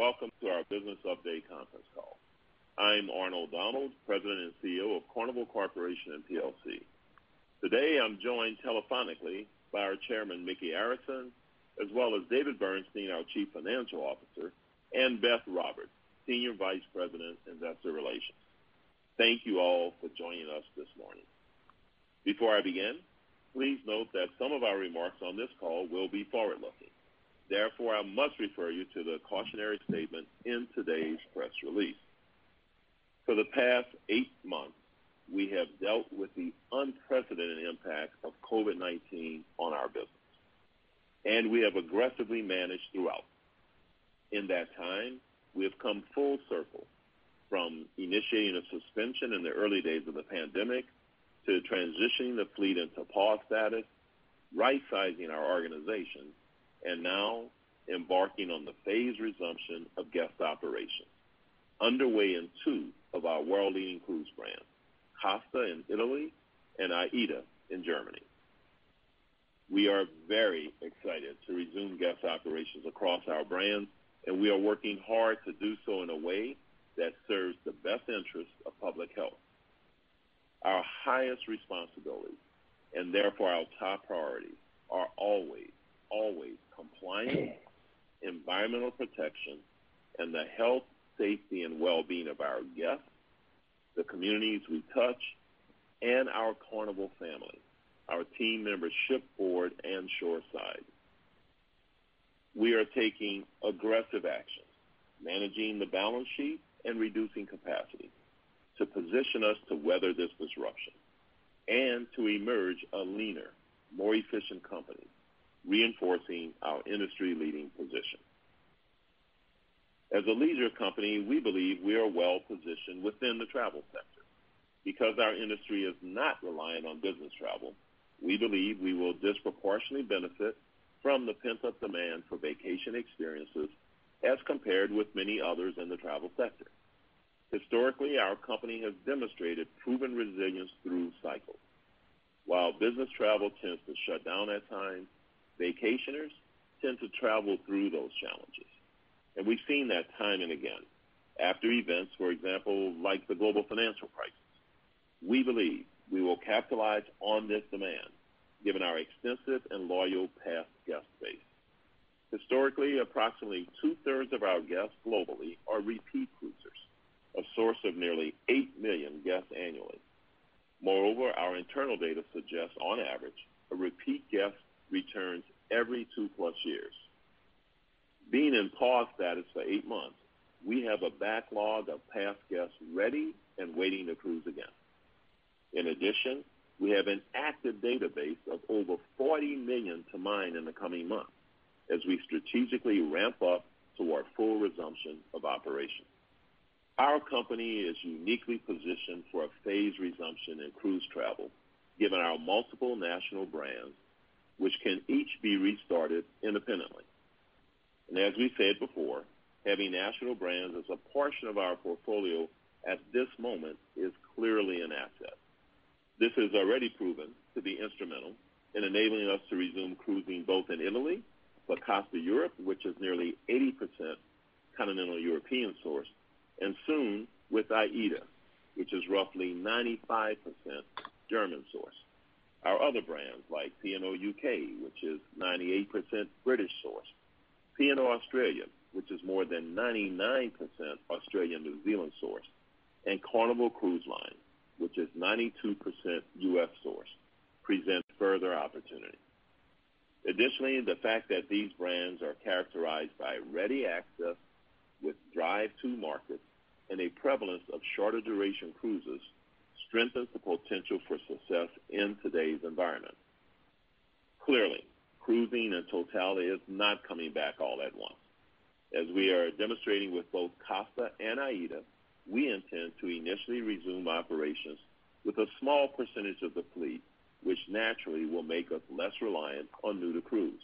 Welcome to our business update conference call. I'm Arnold Donald, President and CEO of Carnival Corporation & plc. Today, I'm joined telephonically by our chairman, Micky Arison, as well as David Bernstein, our Chief Financial Officer, and Beth Roberts, Senior Vice President, Investor Relations. Thank you all for joining us this morning. Before I begin, please note that some of our remarks on this call will be forward-looking. Therefore, I must refer you to the cautionary statement in today's press release. For the past eight months, we have dealt with the unprecedented impact of COVID-19 on our business, and we have aggressively managed throughout. In that time, we have come full circle from initiating a suspension in the early days of the pandemic to transitioning the fleet into pause status, rightsizing our organization, and now embarking on the phased resumption of guest operations, underway in two of our world-leading cruise brands, Costa in Italy and AIDA in Germany. We are very excited to resume guest operations across our brands, and we are working hard to do so in a way that serves the best interest of public health. Our highest responsibilities, and therefore our top priorities, are always compliance, environmental protection, and the health, safety, and well-being of our guests, the communities we touch, and our Carnival family, our team members shipboard and shoreside. We are taking aggressive action, managing the balance sheet and reducing capacity to position us to weather this disruption and to emerge a leaner, more efficient company, reinforcing our industry-leading position. As a leisure company, we believe we are well-positioned within the travel sector. Because our industry is not reliant on business travel, we believe we will disproportionately benefit from the pent-up demand for vacation experiences as compared with many others in the travel sector. Historically, our company has demonstrated proven resilience through cycles. While business travel tends to shut down at times, vacationers tend to travel through those challenges. We've seen that time and again after events, for example, like the global financial crisis. We believe we will capitalize on this demand given our extensive and loyal past guest base. Historically, approximately two-thirds of our guests globally are repeat cruisers, a source of nearly 8 million guests annually. Moreover, our internal data suggests, on average, a repeat guest returns every two plus years. Being in pause status for eight months, we have a backlog of past guests ready and waiting to cruise again. In addition, we have an active database of over 40 million to mine in the coming months as we strategically ramp up to our full resumption of operations. Our company is uniquely positioned for a phased resumption in cruise travel given our multiple national brands, which can each be restarted independently. As we said before, having national brands as a portion of our portfolio at this moment is clearly an asset. This has already proven to be instrumental in enabling us to resume cruising both in Italy for Costa Cruises, which is nearly 80% continental European sourced, and soon with AIDA, which is roughly 95% German sourced. Our other brands like P&O U.K., which is 98% British sourced, P&O Australia, which is more than 99% Australian-New Zealand sourced, and Carnival Cruise Line, which is 92% U.S.-sourced, present further opportunity. Additionally, the fact that these brands are characterized by ready access with drive-to markets and a prevalence of shorter-duration cruises strengthens the potential for success in today's environment. Clearly, cruising in totality is not coming back all at once. As we are demonstrating with both Costa and AIDA, we intend to initially resume operations with a small percentage of the fleet, which naturally will make us less reliant on new-to-cruise.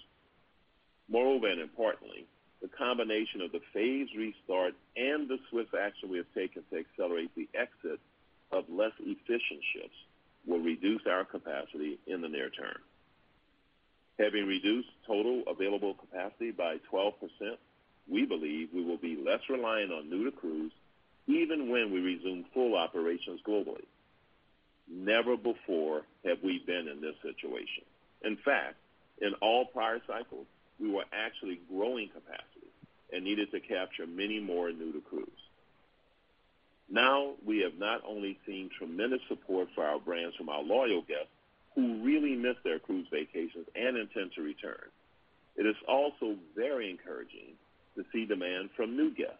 Moreover and importantly, the combination of the phased restart and the swift action we have taken to accelerate the exit of less efficient ships will reduce our capacity in the near term. Having reduced total available capacity by 12%, we believe we will be less reliant on new-to-cruise even when we resume full operations globally. Never before have we been in this situation. In fact, in all prior cycles, we were actually growing capacity and needed to capture many more new-to-cruise. Now we have not only seen tremendous support for our brands from our loyal guests who really miss their cruise vacations and intend to return. It is also very encouraging to see demand from new guests.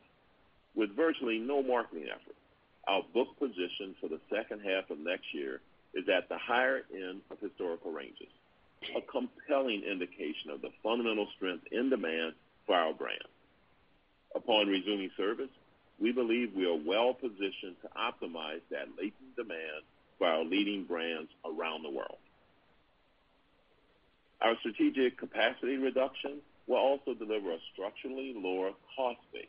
With virtually no marketing effort, our book position for the second half of next year is at the higher end of historical ranges, a compelling indication of the fundamental strength in demand for our brands. Upon resuming service, we believe we are well positioned to optimize that latent demand for our leading brands around the world. Our strategic capacity reduction will also deliver a structurally lower cost base.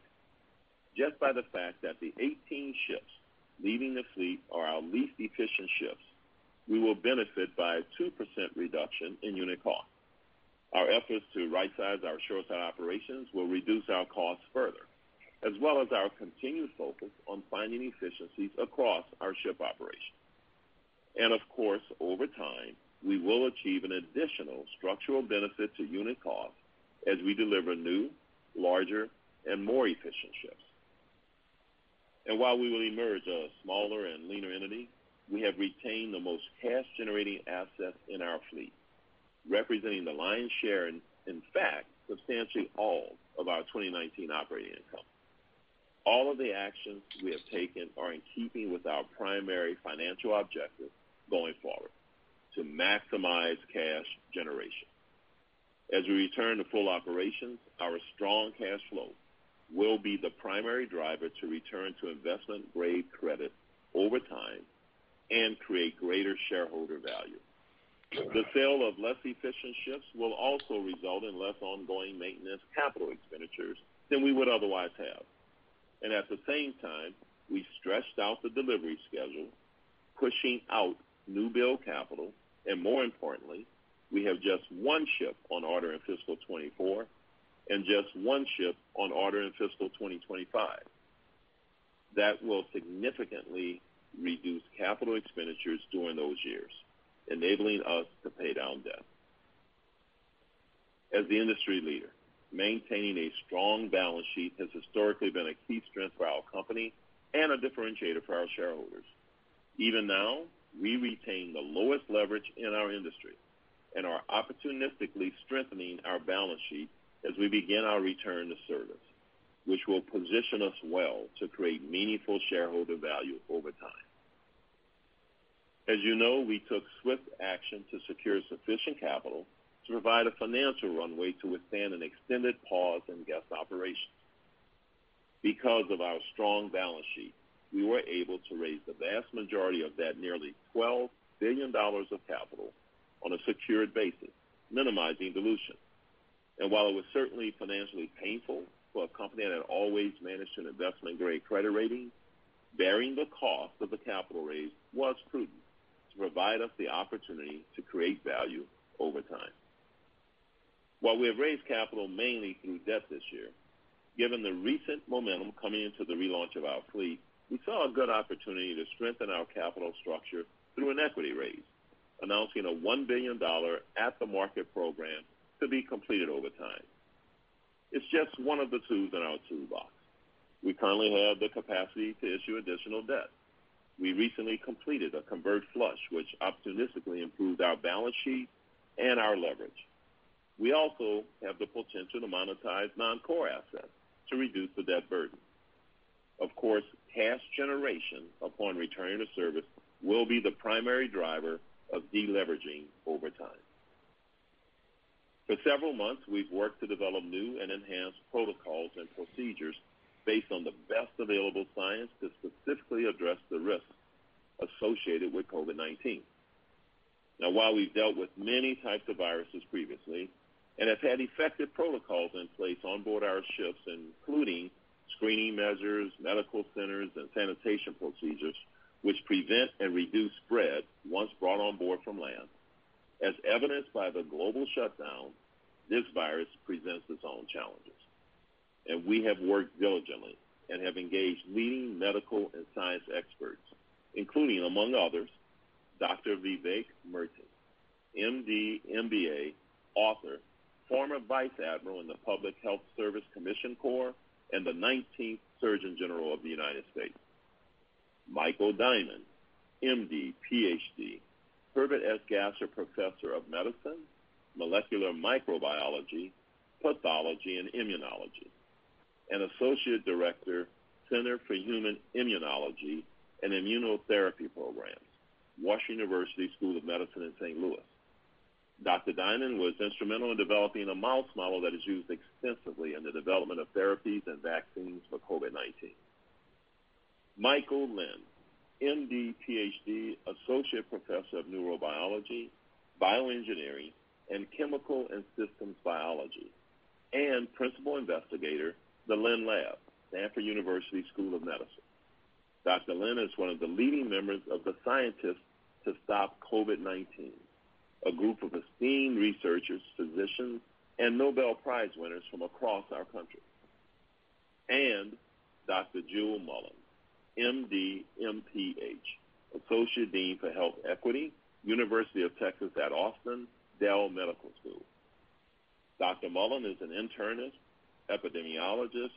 Just by the fact that the 18 ships leaving the fleet are our less efficient ships, we will benefit by a 2% reduction in unit cost. Our efforts to right-size our shoreside operations will reduce our costs further, as well as our continued focus on finding efficiencies across our ship operations. Of course, over time, we will achieve an additional structural benefit to unit cost as we deliver new, larger, and more efficient ships. While we will emerge a smaller and leaner entity, we have retained the most cash-generating assets in our fleet, representing the lion's share, and in fact, substantially all of our 2019 operating income. All of the actions we have taken are in keeping with our primary financial objective going forward, to maximize cash generation. As we return to full operations, our strong cash flow will be the primary driver to return to investment-grade credit over time and create greater shareholder value. The sale of less efficient ships will also result in less ongoing maintenance capital expenditures than we would otherwise have. At the same time, we've stretched out the delivery schedule, pushing out new build capital, and more importantly, we have just one ship on order in fiscal 2024 and just one ship on order in fiscal 2025. That will significantly reduce capital expenditures during those years, enabling us to pay down debt. As the industry leader, maintaining a strong balance sheet has historically been a key strength for our company and a differentiator for our shareholders. Even now, we retain the lowest leverage in our industry and are opportunistically strengthening our balance sheet as we begin our return to service, which will position us well to create meaningful shareholder value over time. As you know, we took swift action to secure sufficient capital to provide a financial runway to withstand an extended pause in guest operations. Because of our strong balance sheet, we were able to raise the vast majority of that nearly $12 billion of capital on a secured basis, minimizing dilution. While it was certainly financially painful for a company that had always managed an investment-grade credit rating, bearing the cost of the capital raise was prudent to provide us the opportunity to create value over time. While we have raised capital mainly through debt this year, given the recent momentum coming into the relaunch of our fleet, we saw a good opportunity to strengthen our capital structure through an equity raise, announcing a $1 billion at-the-market program to be completed over time. It's just one of the tools in our toolbox. We currently have the capacity to issue additional debt. We recently completed a convert flush, which opportunistically improved our balance sheet and our leverage. We also have the potential to monetize non-core assets to reduce the debt burden. Of course, cash generation upon returning to service will be the primary driver of de-leveraging over time. For several months, we've worked to develop new and enhanced protocols and procedures based on the best available science to specifically address the risks associated with COVID-19. Now, while we've dealt with many types of viruses previously and have had effective protocols in place on board our ships, including screening measures, medical centers, and sanitation procedures, which prevent and reduce spread once brought on board from land, as evidenced by the global shutdown, this virus presents its own challenges. We have worked diligently and have engaged leading medical and science experts, including, among others, Dr. Vivek Murthy, MD, MBA, author, former vice admiral in the Public Health Service Commissioned Corps, and the 19th Surgeon General of the United States. Michael Diamond, MD, PhD, Herbert S. Gasser Professor of Medicine, Molecular Microbiology, Pathology, and Immunology, and Associate Director, Center for Human Immunology and Immunotherapy Programs, Washington University School of Medicine in St. Louis. Dr. Diamond was instrumental in developing a mouse model that is used extensively in the development of therapies and vaccines for COVID-19. Michael Lin, MD, PhD, Associate Professor of Neurobiology, Bioengineering, and Chemical and Systems Biology, and Principal Investigator, the Lin Lab, Stanford University School of Medicine. Dr. Lin is one of the leading members of the Scientists to Stop COVID-19, a group of esteemed researchers, physicians, and Nobel Prize winners from across our country. Dr. Jewel Mullen, MD, MPH, Associate Dean for Health Equity, University of Texas at Austin Dell Medical School. Dr. Mullen is an internist, epidemiologist,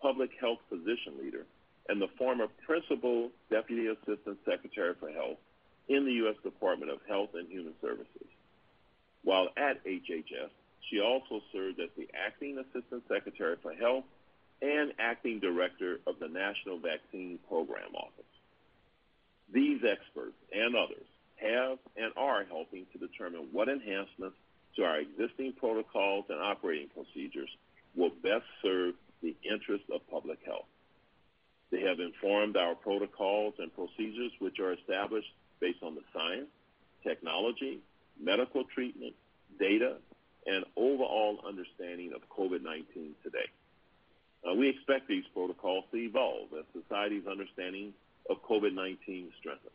public health physician leader, and the former Principal Deputy Assistant Secretary for Health in the U.S. Department of Health and Human Services. While at HHS, she also served as the Acting Assistant Secretary for Health and Acting Director of the National Vaccine Program Office. These experts and others have and are helping to determine what enhancements to our existing protocols and operating procedures will best serve the interest of public health. They have informed our protocols and procedures, which are established based on the science, technology, medical treatment, data, and overall understanding of COVID-19 today. We expect these protocols to evolve as society's understanding of COVID-19 strengthens.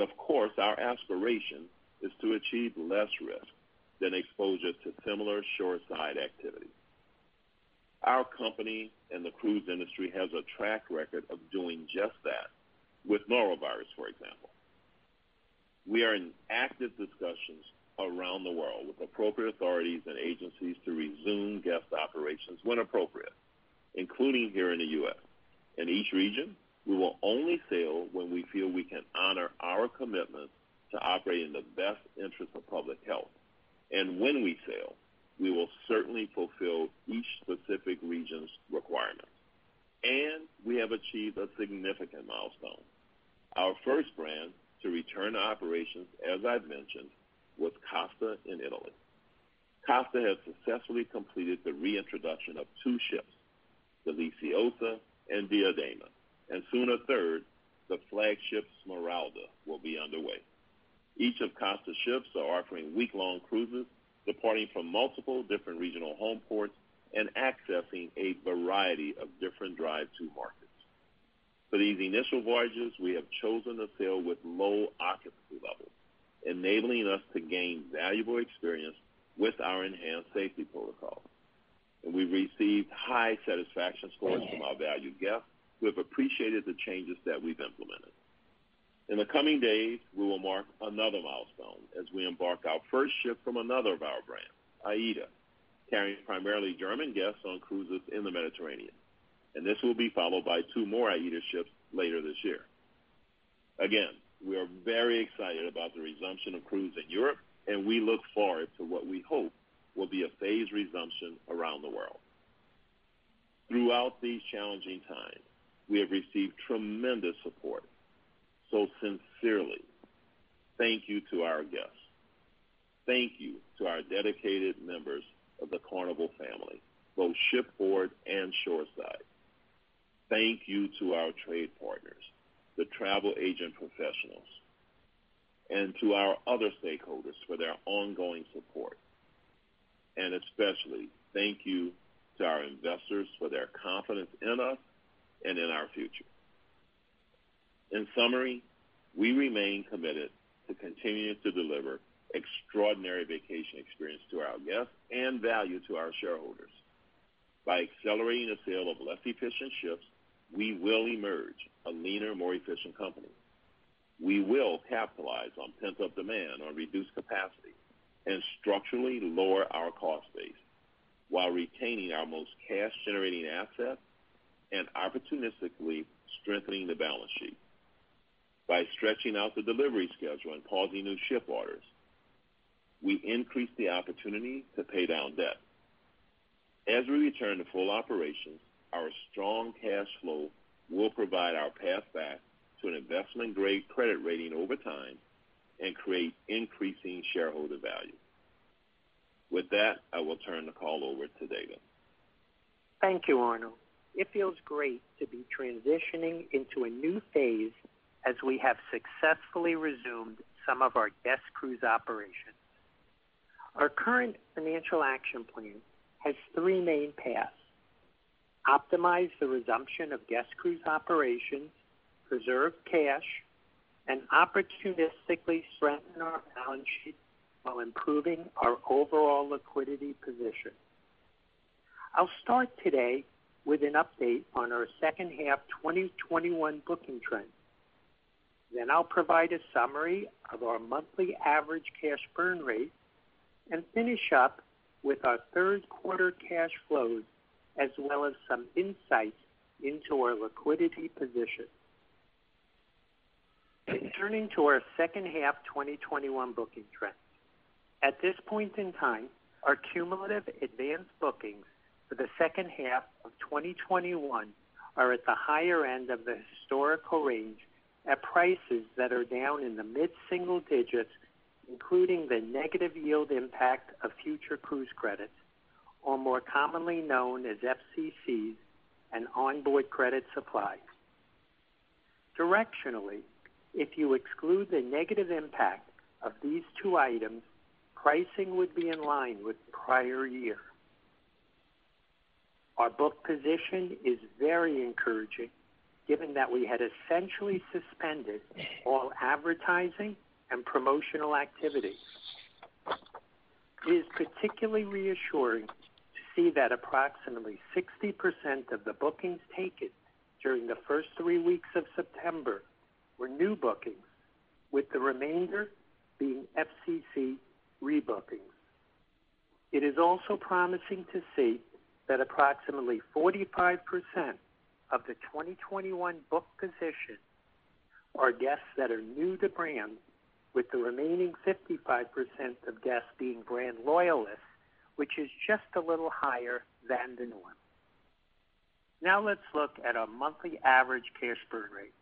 Of course, our aspiration is to achieve less risk than exposure to similar shoreside activities. Our company and the cruise industry has a track record of doing just that with norovirus, for example. We are in active discussions around the world with appropriate authorities and agencies to resume guest operations when appropriate, including here in the U.S. In each region, we will only sail when we feel we can honor our commitment to operate in the best interest of public health. When we sail, we will certainly fulfill each specific region's requirement. We have achieved a significant milestone. Our first brand to return to operations, as I've mentioned, was Costa in Italy. Costa has successfully completed the reintroduction of two ships, the Deliziosa and Diadema, and soon a third, the flagship Smeralda, will be underway. Each of Costa's ships are offering week-long cruises, departing from multiple different regional home ports and accessing a variety of different drive-to markets. For these initial voyages, we have chosen to sail with low occupancy levels, enabling us to gain valuable experience with our enhanced safety protocols. We received high satisfaction scores from our valued guests who have appreciated the changes that we've implemented. In the coming days, we will mark another milestone as we embark our first ship from another of our brands, AIDA, carrying primarily German guests on cruises in the Mediterranean, and this will be followed by two more AIDA ships later this year. Again, we are very excited about the resumption of cruise in Europe, and we look forward to what we hope will be a phased resumption around the world. Throughout these challenging times, we have received tremendous support. Sincerely, thank you to our guests. Thank you to our dedicated members of the Carnival family, both shipboard and shoreside. Thank you to our trade partners, the travel agent professionals, and to our other stakeholders for their ongoing support. Especially thank you to our investors for their confidence in us and in our future. In summary, we remain committed to continuing to deliver extraordinary vacation experience to our guests and value to our shareholders. By accelerating the sale of less efficient ships, we will emerge a leaner, more efficient company. We will capitalize on pent-up demand on reduced capacity and structurally lower our cost base while retaining our most cash-generating asset and opportunistically strengthening the balance sheet. By stretching out the delivery schedule and pausing new ship orders, we increase the opportunity to pay down debt. As we return to full operations, our strong cash flow will provide our path back to an investment-grade credit rating over time and create increasing shareholder value. With that, I will turn the call over to David. Thank you, Arnold. It feels great to be transitioning into a new phase as we have successfully resumed some of our guest cruise operations. Our current financial action plan has three main paths: optimize the resumption of guest cruise operations, preserve cash, and opportunistically strengthen our balance sheet while improving our overall liquidity position. I'll start today with an update on our second half 2021 booking trends. I'll provide a summary of our monthly average cash burn rate and finish up with our third quarter cash flows, as well as some insights into our liquidity position. Turning to our second half 2021 booking trends. At this point in time, our cumulative advanced bookings for the second half of 2021 are at the higher end of the historical range at prices that are down in the mid-single digits, including the negative yield impact of Future Cruise Credits, or more commonly known as FCCs and onboard credit supply. Directionally, if you exclude the negative impact of these two items, pricing would be in line with prior year. Our book position is very encouraging given that we had essentially suspended all advertising and promotional activities. It is particularly reassuring to see that approximately 60% of the bookings taken during the first three weeks of September were new bookings, with the remainder being FCC rebookings. It is also promising to see that approximately 45% of the 2021 book position are guests that are new to brand, with the remaining 55% of guests being brand loyalists, which is just a little higher than the norm. Let's look at our monthly average cash burn rate.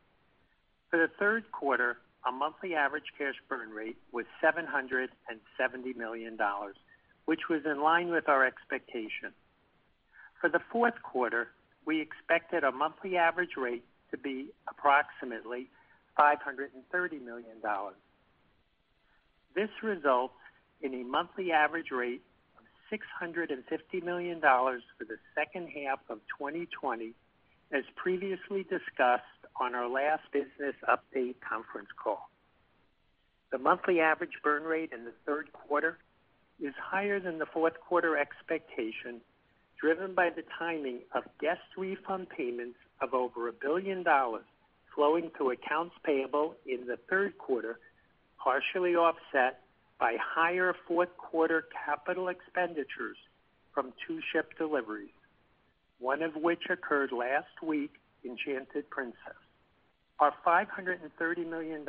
For the third quarter, our monthly average cash burn rate was $770 million, which was in line with our expectation. For the fourth quarter, we expected a monthly average rate to be approximately $530 million. This results in a monthly average rate of $650 million for the second half of 2020, as previously discussed on our last business update conference call. The monthly average burn rate in the third quarter is higher than the fourth quarter expectation, driven by the timing of guest refund payments of over $1 billion flowing through accounts payable in the third quarter, partially offset by higher fourth quarter capital expenditures from two ship deliveries, one of which occurred last week, Enchanted Princess. Our $530 million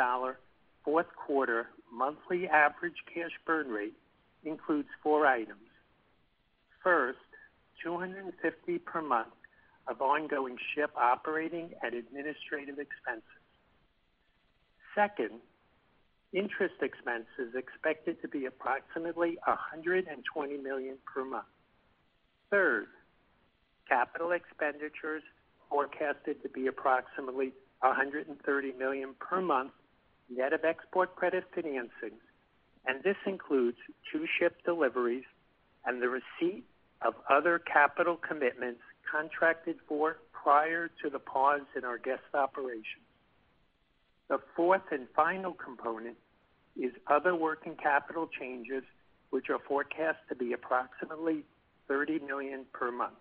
fourth quarter monthly average cash burn rate includes four items. First, $250 million per month of ongoing ship operating and administrative expenses. Second, interest expense is expected to be approximately $120 million per month. Third, capital expenditures forecasted to be approximately $130 million per month, net of export credit financing, and this includes two ship deliveries and the receipt of other capital commitments contracted for prior to the pause in our guest operations. The fourth and final component is other working capital changes, which are forecast to be approximately $30 million per month.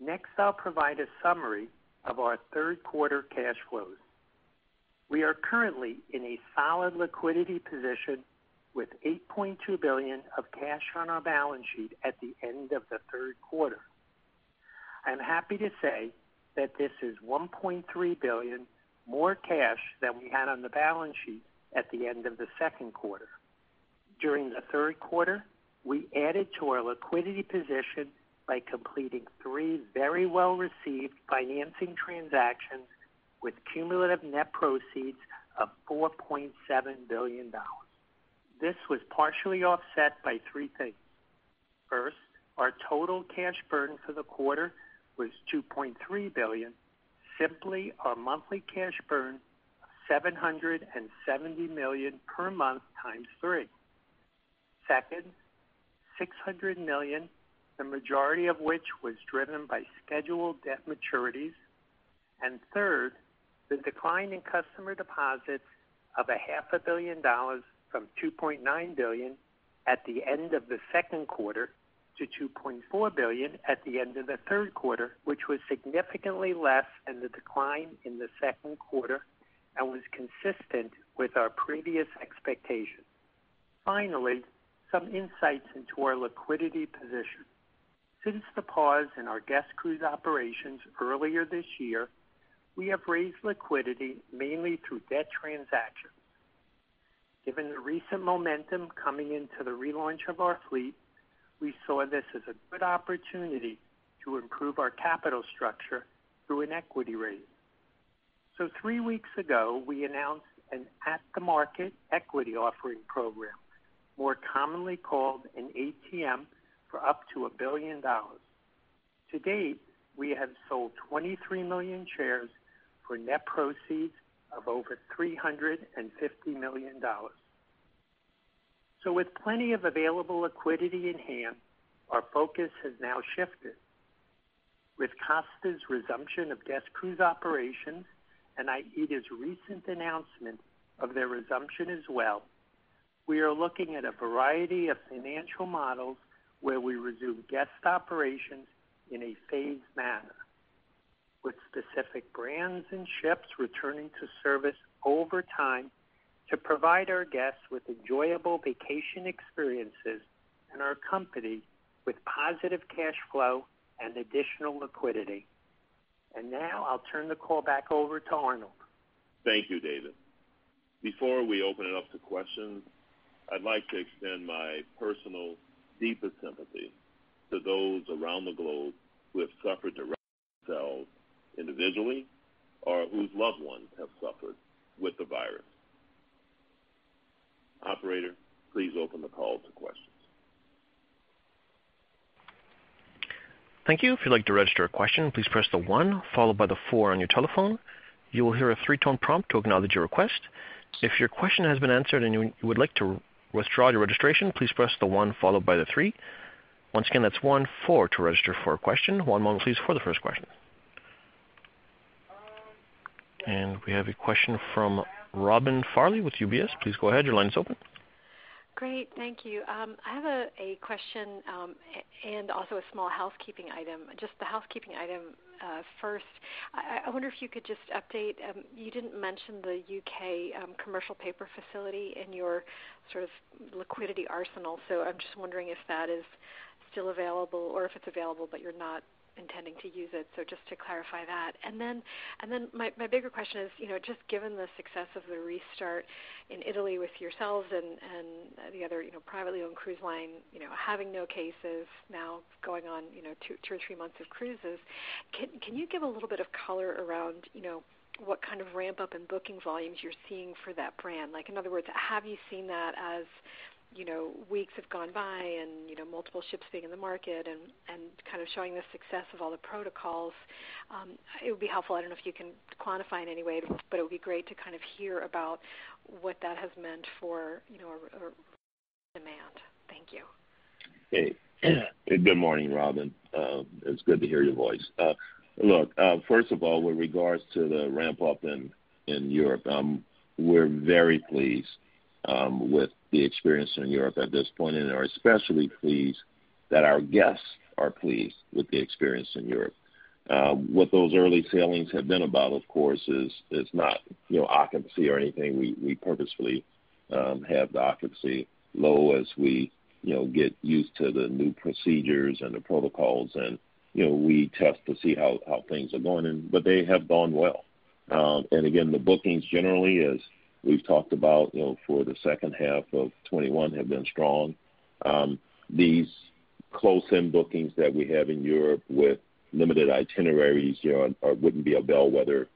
Next, I'll provide a summary of our third quarter cash flows. We are currently in a solid liquidity position with $8.2 billion of cash on our balance sheet at the end of the third quarter. I'm happy to say that this is $1.3 billion more cash than we had on the balance sheet at the end of the second quarter. During the third quarter, we added to our liquidity position by completing three very well-received financing transactions with cumulative net proceeds of $4.7 billion. This was partially offset by three things. First, our total cash burn for the quarter was $2.3 billion, simply our monthly cash burn of $770 million per month times three. Second, $600 million, the majority of which was driven by scheduled debt maturities. Third, the decline in customer deposits of a half a billion dollars from $2.9 billion at the end of the second quarter to $2.4 billion at the end of the third quarter, which was significantly less than the decline in the second quarter and was consistent with our previous expectations. Finally, some insights into our liquidity position. Since the pause in our guest cruise operations earlier this year, we have raised liquidity mainly through debt transactions. Given the recent momentum coming into the relaunch of our fleet, we saw this as a good opportunity to improve our capital structure through an equity raise. Three weeks ago, we announced an at-the-market equity offering program, more commonly called an ATM, for up to $1 billion. To date, we have sold 23 million shares for net proceeds of over $350 million. With plenty of available liquidity in hand, our focus has now shifted. With Costa's resumption of guest cruise operations and AIDA's recent announcement of their resumption as well, we are looking at a variety of financial models where we resume guest operations in a phased manner, with specific brands and ships returning to service over time to provide our guests with enjoyable vacation experiences and our company with positive cash flow and additional liquidity. Now I'll turn the call back over to Arnold. Thank you, David. Before we open it up to questions, I'd like to extend my personal deepest sympathy to those around the globe who have suffered directly themselves individually, or whose loved ones have suffered with the virus. Operator, please open the call to questions. Thank you. If you like to ask your question please press the one followed by the four on your telephone. You will hear a three tone prompt taking out your request. If your question have been answered and you would like to withdraw your registration, please press the one followed by the three. One moment please for the first question. We have a question from Robin Farley with UBS. Please go ahead. Your line is open. Great. Thank you. I have a question and also a small housekeeping item. Just the housekeeping item first. I wonder if you could just update, you didn't mention the U.K. commercial paper facility in your sort of liquidity arsenal. I'm just wondering if that is still available or if it's available but you're not intending to use it. Just to clarify that. Then my bigger question is, just given the success of the restart in Italy with yourselves and the other privately owned cruise line having no cases now going on two or three months of cruises, can you give a little bit of color around what kind of ramp-up in booking volumes you're seeing for that brand? Like in other words, have you seen that as weeks have gone by and multiple ships being in the market and kind of showing the success of all the protocols. It would be helpful, I don't know if you can quantify in any way, but it would be great to kind of hear about what that has meant for demand. Thank you. Hey. Good morning, Robin. It's good to hear your voice. First of all, with regards to the ramp-up in Europe, we're very pleased with the experience in Europe at this point, and are especially pleased that our guests are pleased with the experience in Europe. What those early sailings have been about, of course, is not occupancy or anything. We purposefully have the occupancy low as we get used to the new procedures and the protocols and we test to see how things are going. They have gone well. Again, the bookings generally, as we've talked about for the second half of 2021, have been strong. These close-in bookings that we have in Europe with limited itineraries wouldn't be a bellwether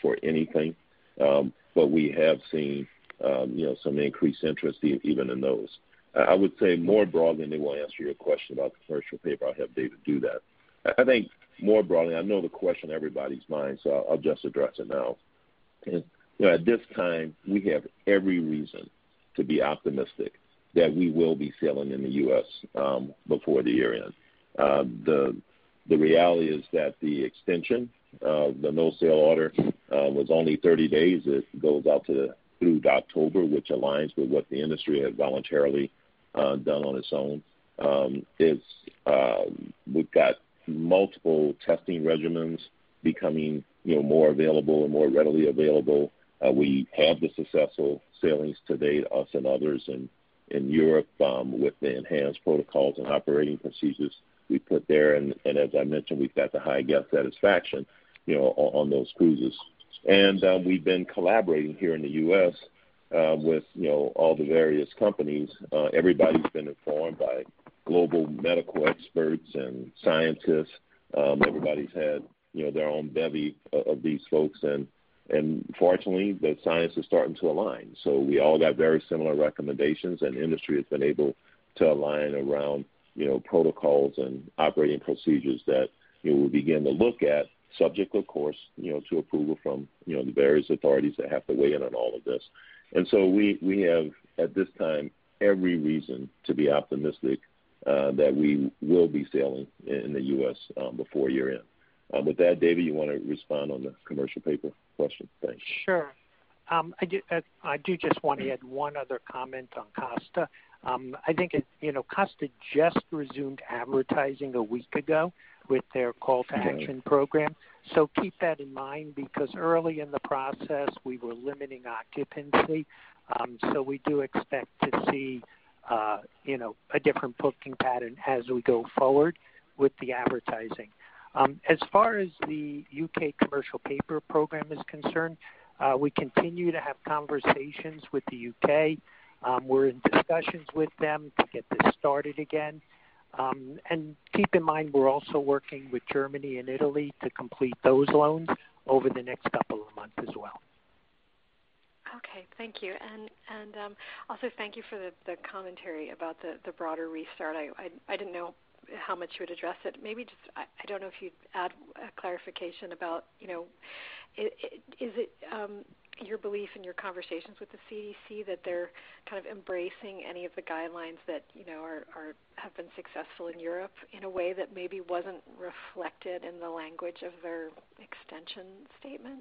for anything, but we have seen some increased interest even in those. I would say more broadly, then we'll answer your question about the commercial paper. I'll have David do that. I think more broadly, I know the question on everybody's mind, I'll just address it now. At this time, we have every reason to be optimistic that we will be sailing in the U.S. before the year-end. The reality is that the extension of the no-sail order was only 30 days. It goes out through October, which aligns with what the industry has voluntarily done on its own. We've got multiple testing regimens becoming more available and more readily available. We have the successful sailings to date, us and others in Europe, with the enhanced protocols and operating procedures we put there, as I mentioned, we've got the high guest satisfaction on those cruises. We've been collaborating here in the U.S. with all the various companies. Everybody's been informed by global medical experts and scientists. Everybody's had their own bevy of these folks, and fortunately, the science is starting to align. We all got very similar recommendations, and the industry has been able to align around protocols and operating procedures that we will begin to look at, subject, of course, to approval from the various authorities that have to weigh in on all of this. We have, at this time, every reason to be optimistic that we will be sailing in the U.S. before year-end. With that, David, you want to respond on the commercial paper question? Thanks. Sure. I do just want to add one other comment on Costa. I think Costa just resumed advertising a week ago with their call-to-action program. Keep that in mind, because early in the process, we were limiting occupancy. We do expect to see a different booking pattern as we go forward with the advertising. As far as the U.K. commercial paper program is concerned, we continue to have conversations with the U.K. We're in discussions with them to get this started again. Keep in mind, we're also working with Germany and Italy to complete those loans over the next couple of months as well. Okay. Thank you. Also thank you for the commentary about the broader restart. I didn't know how much you would address it. Maybe just, I don't know if you'd add a clarification about, is it your belief in your conversations with the CDC that they're kind of embracing any of the guidelines that have been successful in Europe in a way that maybe wasn't reflected in the language of their extension statement?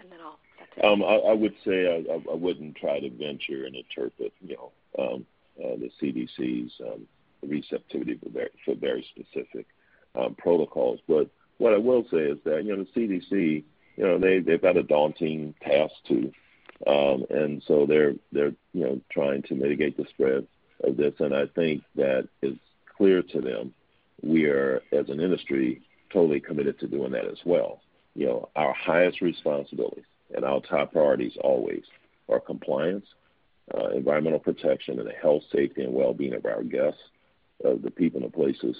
That's it. I would say I wouldn't try to venture and interpret the CDC's receptivity for very specific protocols. What I will say is that the CDC, they've got a daunting task too, and so they're trying to mitigate the spread of this. I think that it's clear to them we are, as an industry, totally committed to doing that as well. Our highest responsibilities and our top priorities always are compliance, environmental protection, and the health, safety, and well-being of our guests, of the people and the places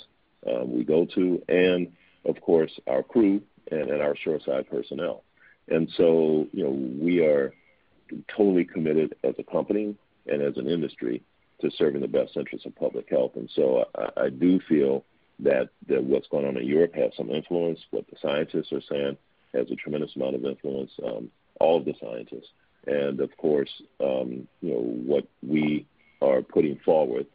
we go to, and of course, our crew and our shoreside personnel. We are totally committed as a company and as an industry to serving the best interests of public health. I do feel that what's going on in Europe has some influence. What the scientists are saying has a tremendous amount of influence, all of the scientists. Of course, what we are putting forward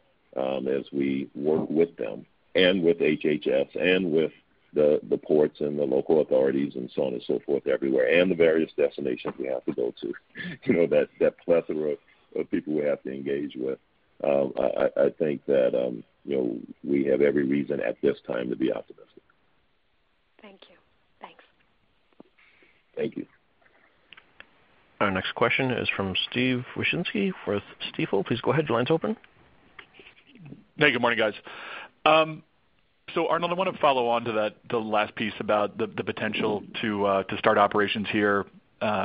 as we work with them and with HHS and with the ports and the local authorities and so on and so forth everywhere, and the various destinations we have to go to, that plethora of people we have to engage with. I think that we have every reason at this time to be optimistic. Thank you. Thanks. Thank you. Our next question is from Steve Wieczynski with Stifel. Please go ahead. Your line's open. Hey, good morning, guys. Arnold, I want to follow on to the last piece about the potential to start operations here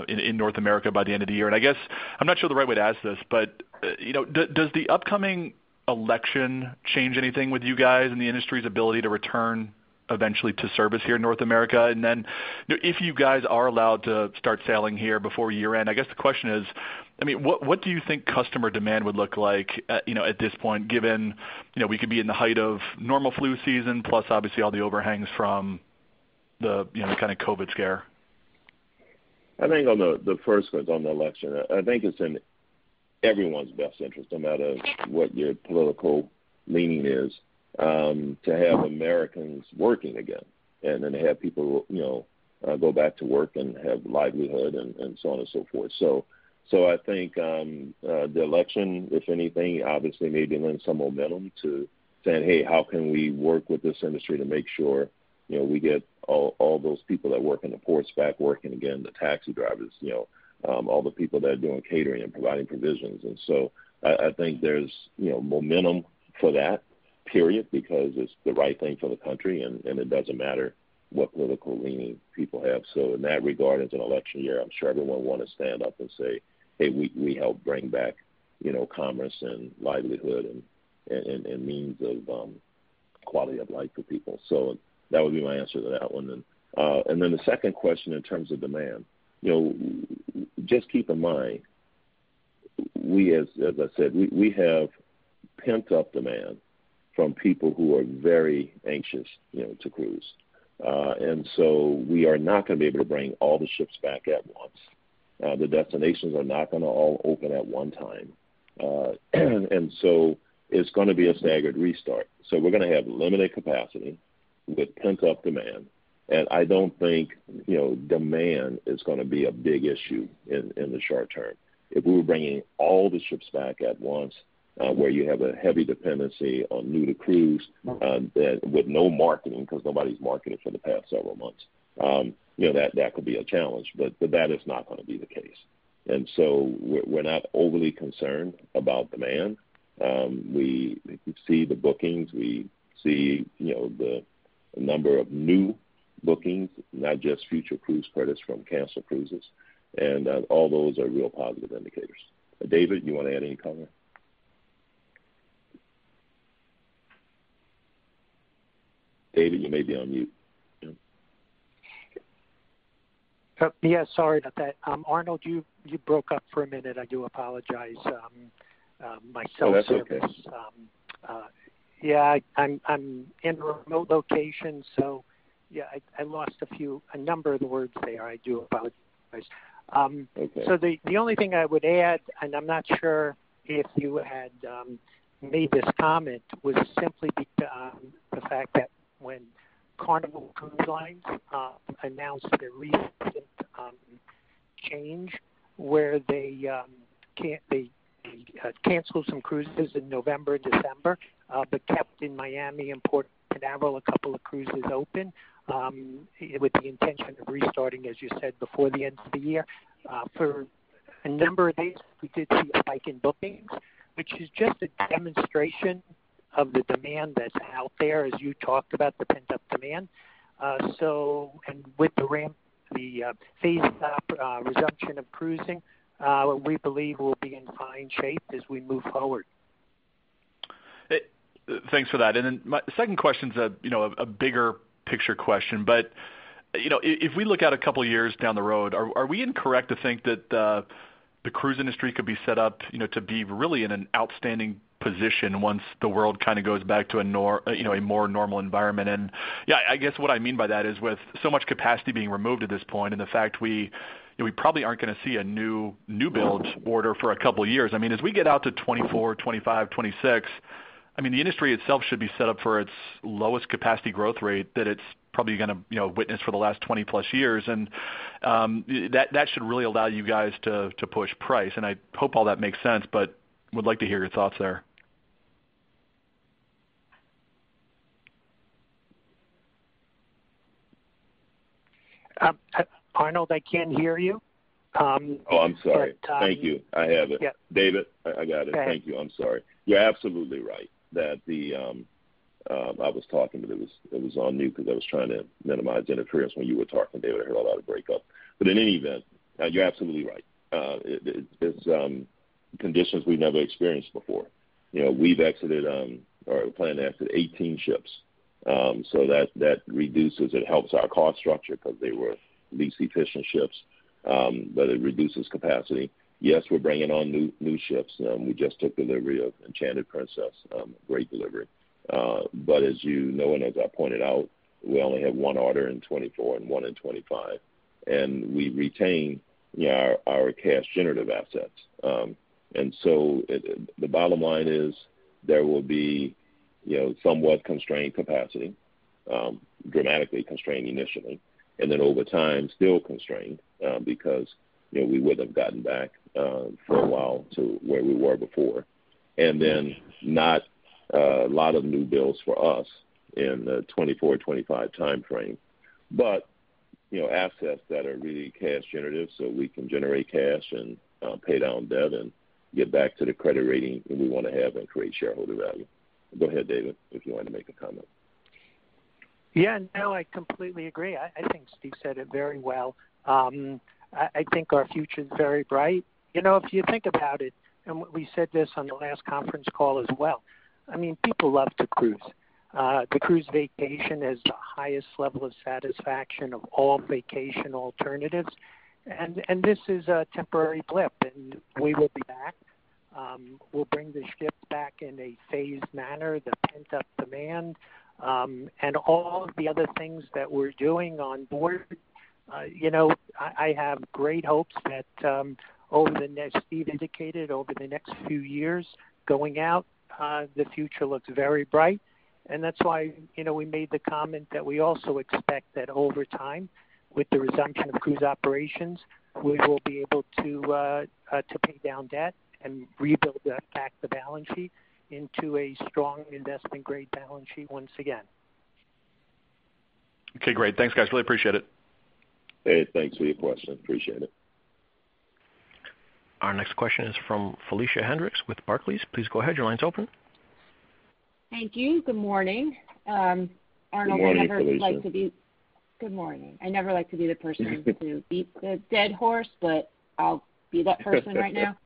in North America by the end of the year. I guess I'm not sure the right way to ask this, but does the upcoming election change anything with you guys and the industry's ability to return eventually to service here in North America? If you guys are allowed to start sailing here before year-end, I guess the question is, what do you think customer demand would look like at this point, given we could be in the height of normal flu season, plus obviously all the overhangs from the COVID-19 scare? I think on the first one, on the election, I think it's in everyone's best interest, no matter what your political leaning is, to have Americans working again, and then to have people go back to work and have livelihood and so on and so forth. I think, the election, if anything, obviously maybe lend some momentum to saying, "Hey, how can we work with this industry to make sure we get all those people that work in the ports back working again, the taxi drivers, all the people that are doing catering and providing provisions." I think there's momentum for that period because it's the right thing for the country, and it doesn't matter what political leaning people have. In that regard, it's an election year. I'm sure everyone will want to stand up and say, "Hey, we helped bring back commerce and livelihood and means of quality of life for people." That would be my answer to that one then. Then the second question in terms of demand. Just keep in mind, as I said, we have pent-up demand from people who are very anxious to cruise. So we are not going to be able to bring all the ships back at once. The destinations are not going to all open at one time. So it's going to be a staggered restart. We're going to have limited capacity with pent-up demand, and I don't think demand is going to be a big issue in the short term. If we were bringing all the ships back at once, where you have a heavy dependency on new-to-cruise, with no marketing, because nobody's marketed for the past several months, that could be a challenge. That is not going to be the case. We're not overly concerned about demand. We see the bookings. We see the number of new bookings, not just Future Cruise Credits from canceled cruises, and all those are real positive indicators. David, you want to add any comment? David, you may be on mute. Yeah, sorry about that. Arnold, you broke up for a minute. I do apologize. No, that's okay. Yeah, I'm in a remote location, so yeah, I lost a number of the words there. I do apologize. It's okay. The only thing I would add, and I'm not sure if you had made this comment, was simply the fact that when Carnival Cruise Line announced their recent change, where they canceled some cruises in November and December, but kept in Miami and Port Canaveral a couple of cruises open, with the intention of restarting, as you said, before the end of the year. For a number of these, we did see a spike in bookings, which is just a demonstration of the demand that's out there, as you talked about the pent-up demand. With the phased resumption of cruising, we believe we'll be in fine shape as we move forward. Thanks for that. Then my second question is a bigger picture question, but if we look out a couple of years down the road, are we incorrect to think that the cruise industry could be set up to be really in an outstanding position once the world goes back to a more normal environment? Yeah, I guess what I mean by that is with so much capacity being removed at this point, and the fact we probably aren't going to see a new build order for a couple of years, as we get out to 2024, 2025, 2026, the industry itself should be set up for its lowest capacity growth rate that it's probably going to witness for the last 20+ years. That should really allow you guys to push price. I hope all that makes sense. Would like to hear your thoughts there. Arnold, I can't hear you. Oh, I'm sorry. Thank you. I have it. Yeah. David, I got it. Okay. Thank you. I'm sorry. You're absolutely right. I was talking, but it was on mute because I was trying to minimize interference when you were talking, David. I heard a lot of breakup. In any event, you're absolutely right. It's conditions we've never experienced before. We've exited, or plan to exit 18 ships. That reduces, it helps our cost structure because they were less efficient ships, it reduces capacity. Yes, we're bringing on new ships. We just took delivery of Enchanted Princess, great delivery. As you know, as I pointed out, we only have one order in 2024 and one in 2025, we retain our cash-generative assets. The bottom line is there will be somewhat constrained capacity, dramatically constrained initially, over time, still constrained, because we would've gotten back for a while to where we were before. Not a lot of new builds for us in the 2024, 2025 timeframe. Assets that are really cash generative, so we can generate cash and pay down debt and get back to the credit rating that we want to have and create shareholder value. Go ahead, David, if you wanted to make a comment. Yeah, no, I completely agree. I think Steve said it very well. I think our future's very bright. If you think about it, and we said this on the last conference call as well, people love to cruise. The cruise vacation has the highest level of satisfaction of all vacation alternatives, and this is a temporary blip, and we will be back. We'll bring the ships back in a phased manner, the pent-up demand, and all of the other things that we're doing on board. I have great hopes that, as Steve indicated, over the next few years going out, the future looks very bright. That's why we made the comment that we also expect that over time, with the resumption of cruise operations, we will be able to pay down debt and rebuild back the balance sheet into a strong investment-grade balance sheet once again. Okay, great. Thanks, guys. Really appreciate it. Hey, thanks for your question. Appreciate it. Our next question is from Felicia Hendrix with Barclays. Please go ahead. Your line's open. Thank you. Good morning. Good morning, Felicia. Good morning. I never like to be the person to beat the dead horse, but I'll be that person right now.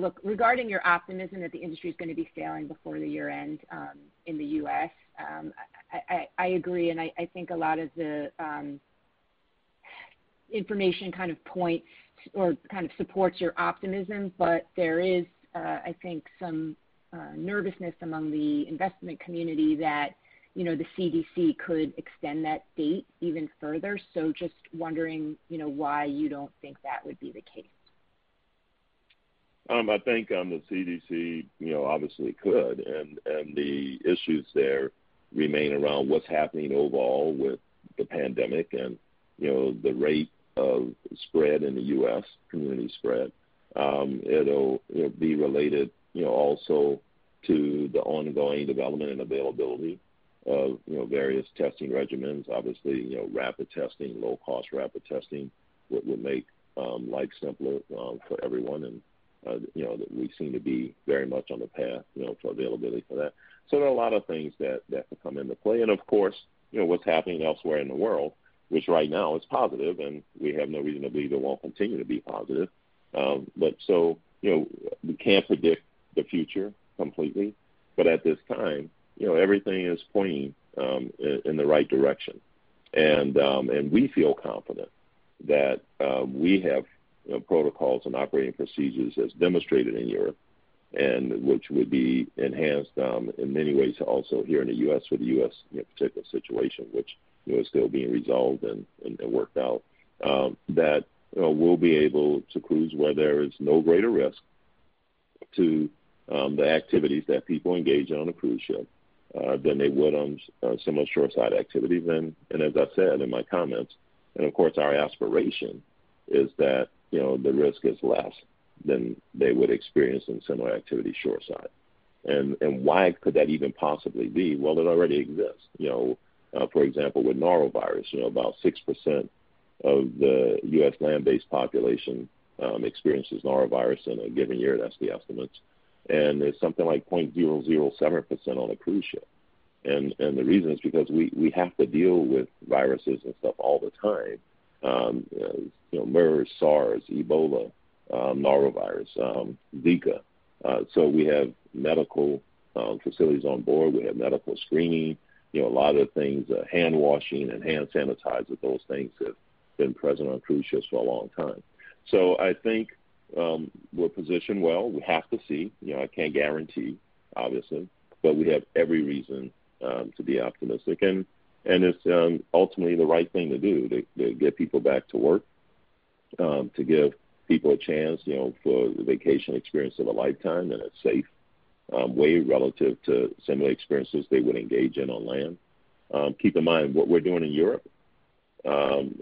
Look, regarding your optimism that the industry's going to be sailing before the year-end in the U.S., I agree, and I think a lot of the information kind of points or kind of supports your optimism. There is, I think, some nervousness among the investment community that the CDC could extend that date even further. Just wondering why you don't think that would be the case. I think the CDC obviously could, and the issues there remain around what's happening overall with the pandemic and the rate of spread in the U.S., community spread. It'll be related also to the ongoing development and availability of various testing regimens. Obviously, rapid testing, low-cost rapid testing, would make life simpler for everyone, and we seem to be very much on the path to availability for that. There are a lot of things that could come into play, and of course, what's happening elsewhere in the world, which right now is positive, and we have no reason to believe it won't continue to be positive. We can't predict the future completely, but at this time, everything is pointing in the right direction. We feel confident that we have protocols and operating procedures as demonstrated in Europe, which would be enhanced in many ways also here in the U.S. for the U.S. particular situation, which is still being resolved and worked out, that we'll be able to cruise where there is no greater risk to the activities that people engage on a cruise ship than they would on similar shoreside activities. As I said in my comments, and of course, our aspiration is that the risk is less than they would experience in similar activities shoreside. Why could that even possibly be? Well, it already exists. For example, with norovirus, about 6% of the U.S. land-based population experiences norovirus in a given year. That's the estimate. There's something like 0.007% on a cruise ship, and the reason is because we have to deal with viruses and stuff all the time. MERS, SARS, Ebola, norovirus, Zika. We have medical facilities on board. We have medical screening. A lot of the things, hand washing and hand sanitizer, those things have been present on cruise ships for a long time. I think we're positioned well. We have to see. I can't guarantee, obviously, but we have every reason to be optimistic, and it's ultimately the right thing to do to get people back to work, to give people a chance for the vacation experience of a lifetime in a safe way relative to similar experiences they would engage in on land. Keep in mind, what we're doing in Europe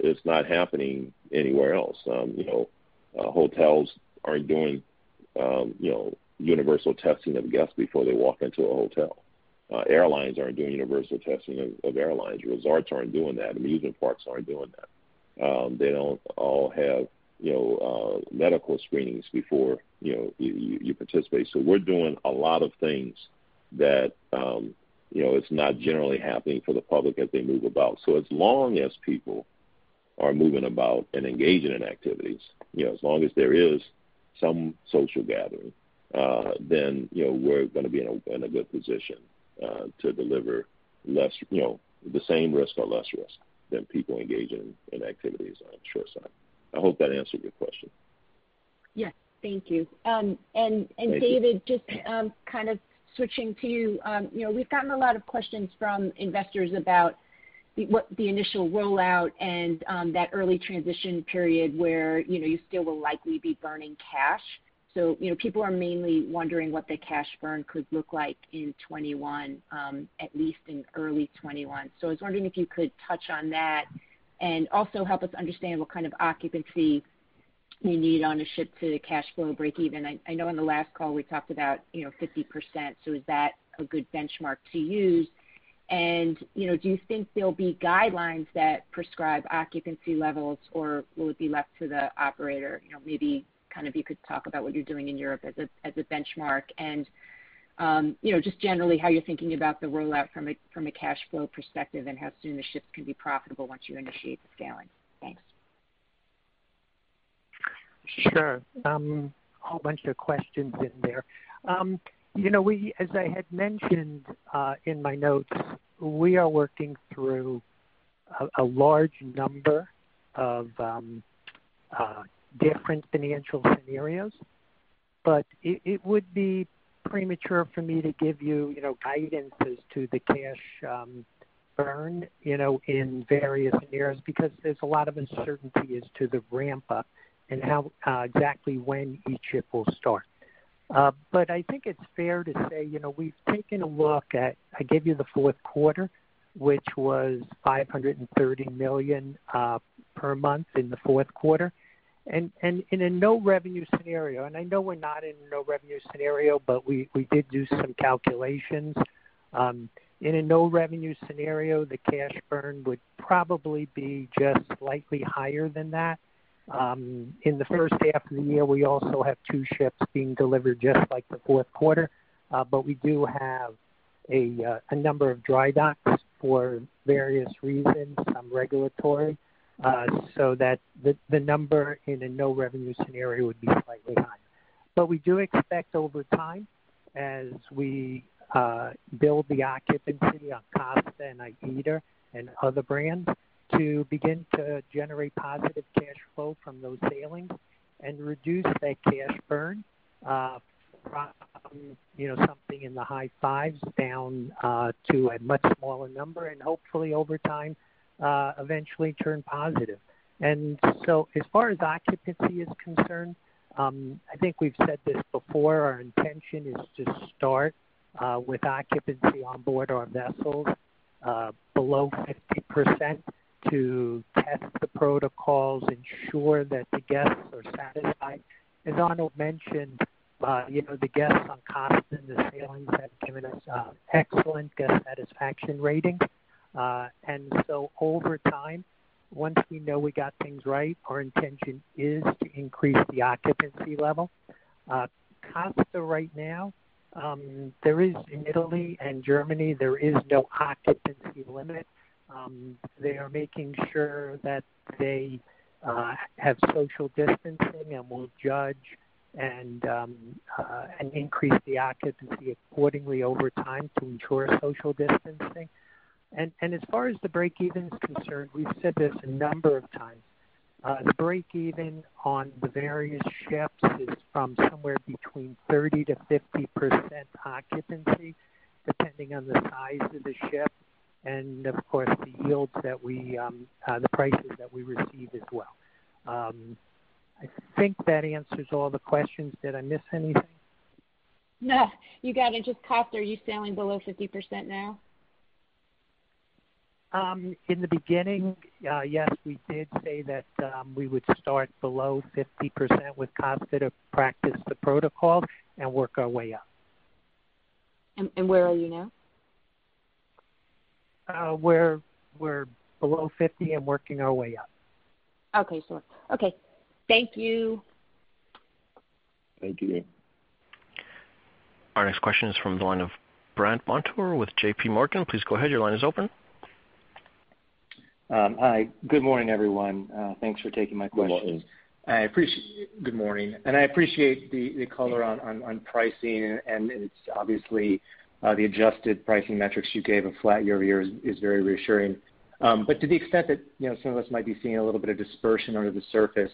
is not happening anywhere else. Hotels aren't doing universal testing of guests before they walk into a hotel. Airlines aren't doing universal testing of guests. Resorts aren't doing that. Amusement parks aren't doing that. They don't all have medical screenings before you participate. We're doing a lot of things that is not generally happening for the public as they move about. As long as people are moving about and engaging in activities, as long as there is some social gathering, then we're going to be in a good position to deliver the same risk or less risk than people engaging in activities on the shoreside. I hope that answered your question. Yes. Thank you. Thank you. David, just kind of switching to you. We've gotten a lot of questions from investors about the initial rollout and that early transition period where you still will likely be burning cash. People are mainly wondering what the cash burn could look like in 2021, at least in early 2021. I was wondering if you could touch on that and also help us understand what kind of occupancy you need on a ship to cash flow breakeven. I know on the last call, we talked about 50%, is that a good benchmark to use? Do you think there'll be guidelines that prescribe occupancy levels, or will it be left to the operator? Maybe kind of you could talk about what you're doing in Europe as a benchmark and just generally how you're thinking about the rollout from a cash flow perspective and how soon the ships can be profitable once you initiate the sailing. Thanks. Sure. A whole bunch of questions in there. As I had mentioned in my notes, we are working through a large number of different financial scenarios, but it would be premature for me to give you guidance as to the cash burn in various scenarios, because there's a lot of uncertainty as to the ramp-up and exactly when each ship will start. I think it's fair to say, we've taken a look at, I gave you the fourth quarter, which was $530 million per month in the fourth quarter. In a no-revenue scenario, and I know we're not in a no-revenue scenario, but we did do some calculations. In a no-revenue scenario, the cash burn would probably be just slightly higher than that. In the first half of the year, we also have two ships being delivered just like the fourth quarter. We do have a number of dry docks for various reasons, some regulatory, so the number in a no-revenue scenario would be slightly higher. We do expect over time, as we build the occupancy on Costa and AIDA and other brands, to begin to generate positive cash flow from those sailings and reduce that cash burn from something in the high fives down to a much smaller number, and hopefully over time, eventually turn positive. As far as occupancy is concerned, I think we've said this before, our intention is to start with occupancy on board our vessels below 50% to test the protocols, ensure that the guests are satisfied. As Arnold mentioned, the guests on Costa and the sailings have given us excellent guest satisfaction ratings. Over time, once we know we got things right, our intention is to increase the occupancy level. Costa right now, in Italy and Germany, there is no occupancy limit. They are making sure that they have social distancing and will judge and increase the occupancy accordingly over time to ensure social distancing. As far as the breakeven is concerned, we've said this a number of times. The breakeven on the various ships is from somewhere between 30%-50% occupancy, depending on the size of the ship, and of course, the prices that we receive as well. I think that answers all the questions. Did I miss anything? No. You got it. Just Costa, are you sailing below 50% now? In the beginning, yes. We did say that we would start below 50% with Costa to practice the protocol and work our way up. Where are you now? We're below 50 and working our way up. Okay. Sure. Okay. Thank you. Thank you. Our next question is from the line of Brandt Montour with JPMorgan. Please go ahead. Your line is open. Hi. Good morning, everyone. Thanks for taking my question. Good morning. Good morning. I appreciate the color on pricing, and obviously, the adjusted pricing metrics you gave of flat year-over-year is very reassuring. To the extent that some of us might be seeing a little bit of dispersion under the surface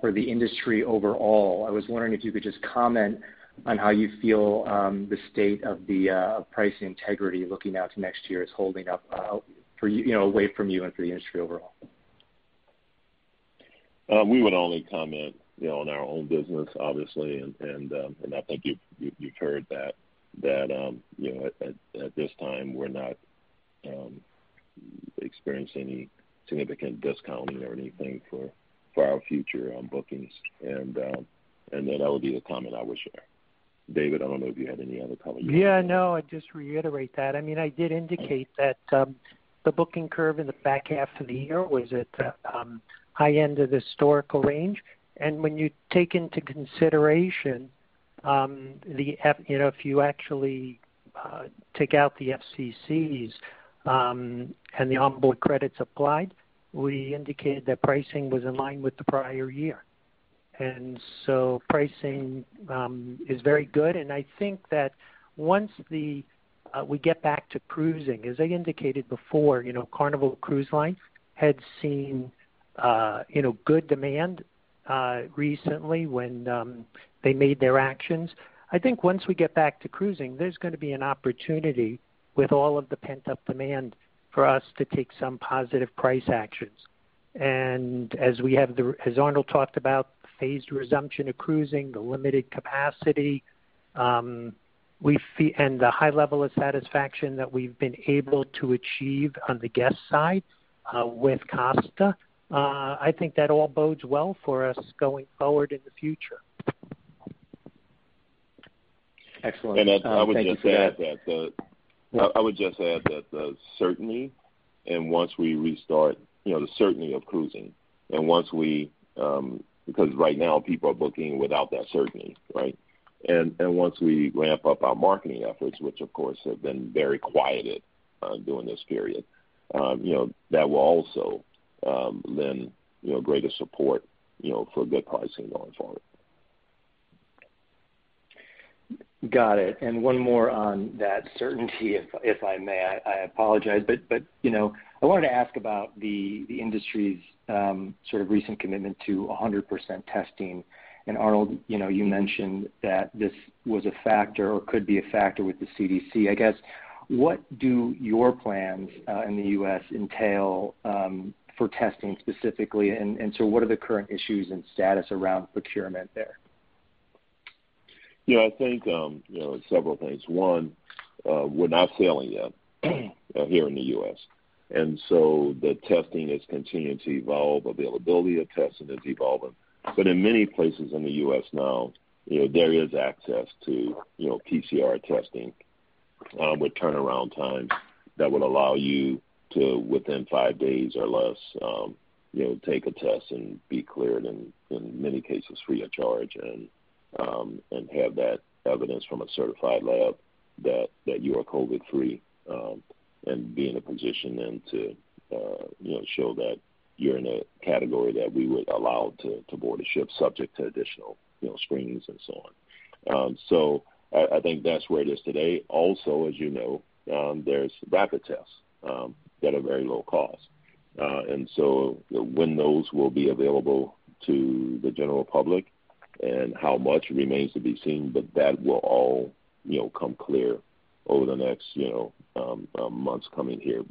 for the industry overall, I was wondering if you could just comment on how you feel the state of the pricing integrity looking out to next year is holding up away from you and for the industry overall. We would only comment on our own business, obviously, and I think you've heard that at this time, we're not experiencing any significant discounting or anything for our future bookings. That would be the comment I would share. David, I don't know if you had any other comments you wanted to make. Yeah, no, I'd just reiterate that. I did indicate that the booking curve in the back half of the year was at the high end of the historical range. When you take into consideration, if you actually take out the FCCs and the onboard credits applied, we indicated that pricing was in line with the prior year. Pricing is very good, and I think that once we get back to cruising, as I indicated before, Carnival Cruise Line had seen good demand recently when they made their actions. I think once we get back to cruising, there's going to be an opportunity with all of the pent-up demand for us to take some positive price actions. As Arnold talked about, the phased resumption of cruising, the limited capacity, and the high level of satisfaction that we've been able to achieve on the guest side with Costa, I think that all bodes well for us going forward in the future. Excellent. Thank you for that. I would just add that the certainty, and once we restart, the certainty of cruising. Right now, people are booking without that certainty, right? Once we ramp up our marketing efforts, which of course have been very quieted during this period, that will also lend greater support for good pricing going forward. Got it. One more on that certainty, if I may. I apologize, I wanted to ask about the industry's recent commitment to 100% testing. Arnold, you mentioned that this was a factor or could be a factor with the CDC. I guess, what do your plans in the U.S. entail for testing specifically, what are the current issues and status around procurement there? Yeah, I think several things. One, we're not sailing yet here in the U.S., the testing is continuing to evolve. Availability of testing is evolving. In many places in the U.S. now, there is access to PCR testing with turnaround times that would allow you to, within five days or less, take a test and be cleared in many cases free of charge and have that evidence from a certified lab that you are COVID-free, and be in a position then to show that you're in a category that we would allow to board a ship subject to additional screenings and so on. I think that's where it is today. Also, as you know, there's rapid tests that are very low cost. When those will be available to the general public and how much remains to be seen, but that will all come clear over the next months coming here,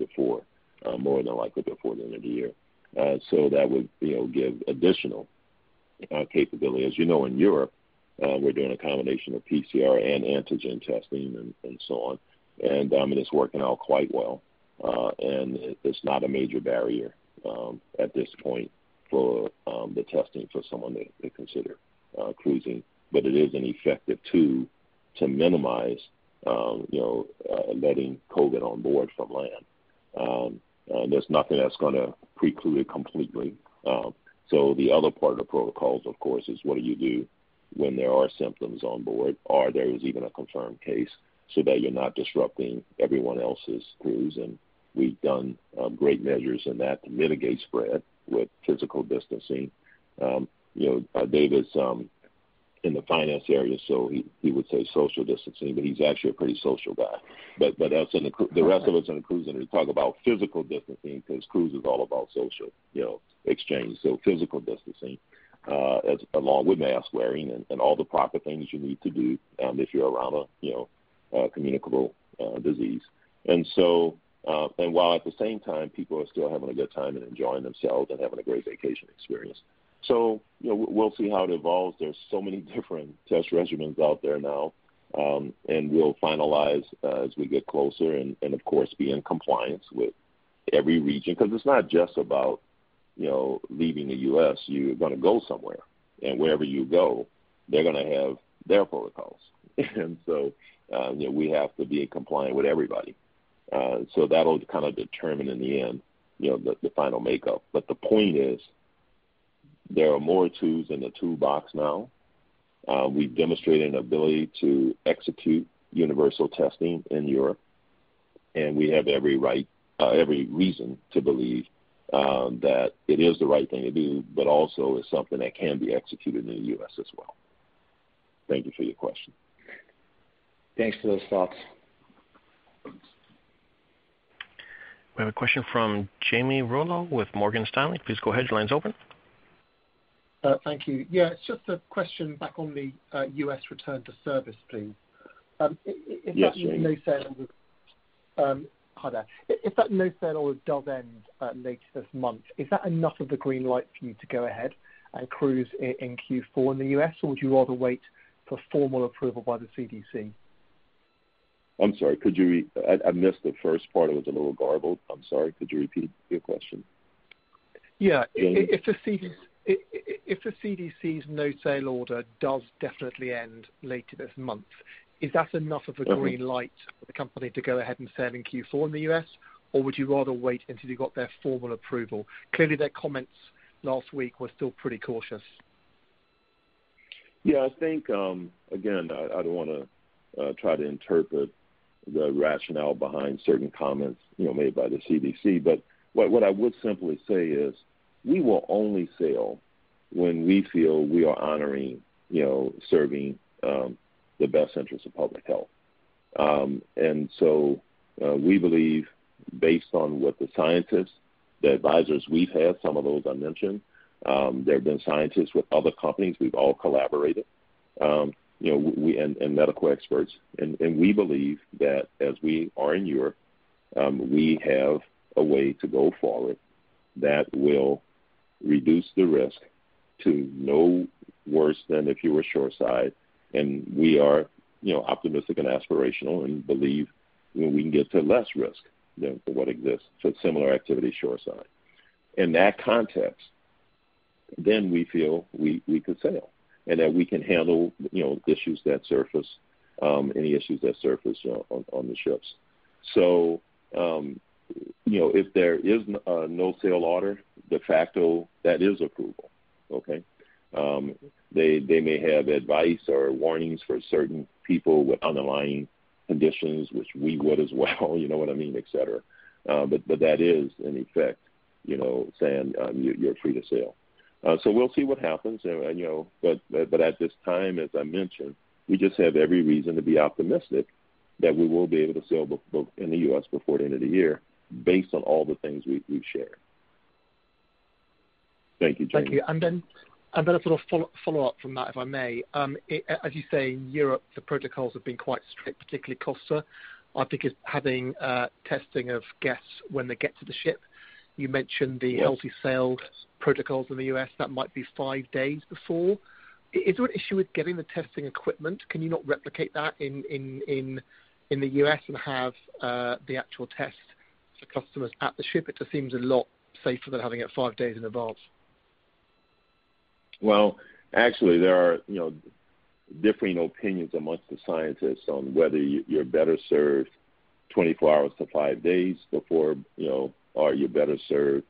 more than likely before the end of the year. That would give additional capability. As you know, in Europe, we're doing a combination of PCR and antigen testing and so on. It's working out quite well. It's not a major barrier at this point for the testing for someone to consider cruising. It is an effective tool to minimize letting COVID on board from land. There's nothing that's going to preclude it completely. The other part of the protocols, of course, is what do you do when there are symptoms on board or there is even a confirmed case, so that you're not disrupting everyone else's cruise. We've done great measures in that to mitigate spread with physical distancing. David's in the finance area, so he would say social distancing, but he's actually a pretty social guy. The rest of us in the cruise industry talk about physical distancing because cruise is all about social exchange. Physical distancing along with mask wearing and all the proper things you need to do if you're around a communicable disease. While at the same time, people are still having a good time and enjoying themselves and having a great vacation experience. We'll see how it evolves. There's so many different test regimens out there now, and we'll finalize as we get closer and, of course, be in compliance with every region because it's not just about leaving the U.S. You're going to go somewhere, and wherever you go, they're going to have their protocols. We have to be compliant with everybody. That'll determine in the end the final makeup. The point is, there are more tools in the toolbox now. We've demonstrated an ability to execute universal testing in Europe, and we have every reason to believe that it is the right thing to do, but also is something that can be executed in the U.S. as well. Thank you for your question. Thanks for those thoughts. We have a question from Jamie Rollo with Morgan Stanley. Please go ahead. Your line's open. Thank you. Yeah, it's just a question back on the U.S. return to service, please. Yes, Jamie. If that no-sail order does end later this month, is that enough of the green light for you to go ahead and cruise in Q4 in the U.S., or would you rather wait for formal approval by the CDC? I'm sorry. I missed the first part. It was a little garbled. I'm sorry. Could you repeat your question? Yeah. Jamie? If the CDC's no-sail order does definitely end later this month, is that enough of a green light for the company to go ahead and sail in Q4 in the U.S., or would you rather wait until you've got their formal approval? Clearly, their comments last week were still pretty cautious. Yeah. I think, again, I don't want to try to interpret the rationale behind certain comments made by the CDC, but what I would simply say is we will only sail when we feel we are honoring serving the best interests of public health. We believe based on what the scientists, the advisors we've had, some of those I mentioned, there have been scientists with other companies. We've all collaborated, and medical experts. We believe that as we are in Europe, we have a way to go forward that will reduce the risk to no worse than if you were shoreside. We are optimistic and aspirational and believe we can get to less risk than what exists for similar activity shoreside. In that context, we feel we could sail and that we can handle issues that surface, any issues that surface on the ships. If there is a no-sail order, de facto, that is approval. Okay? They may have advice or warnings for certain people with underlying conditions, which we would as well you know what I mean, et cetera. That is in effect saying you're free to sail. We'll see what happens. At this time, as I mentioned, we just have every reason to be optimistic that we will be able to sail both in the U.S. before the end of the year based on all the things we've shared. Thank you, Jamie. Thank you. Then a sort of follow-up from that, if I may. As you say, in Europe, the protocols have been quite strict, particularly Costa. I think it's having testing of guests when they get to the ship. You mentioned the Healthy Sail protocols in the U.S., that might be five days before. Is there an issue with getting the testing equipment? Can you not replicate that in the U.S. and have the actual test for customers at the ship? It just seems a lot safer than having it five days in advance. Well, actually, there are differing opinions amongst the scientists on whether you're better served 24 hours to five days before, or are you better served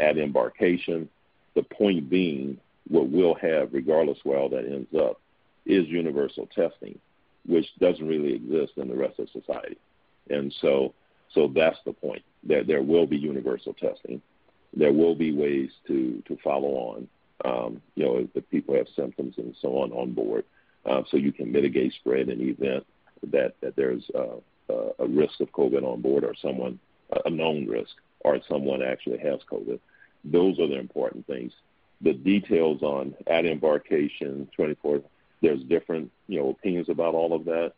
at embarkation. The point being, what we'll have, regardless where all that ends up, is universal testing, which doesn't really exist in the rest of society. That's the point. That there will be universal testing. There will be ways to follow on, if people have symptoms and so on onboard, so you can mitigate spread in the event that there's a risk of COVID on board or a known risk, or someone actually has COVID. Those are the important things. The details on at embarkation, 24, there's different opinions about all of that.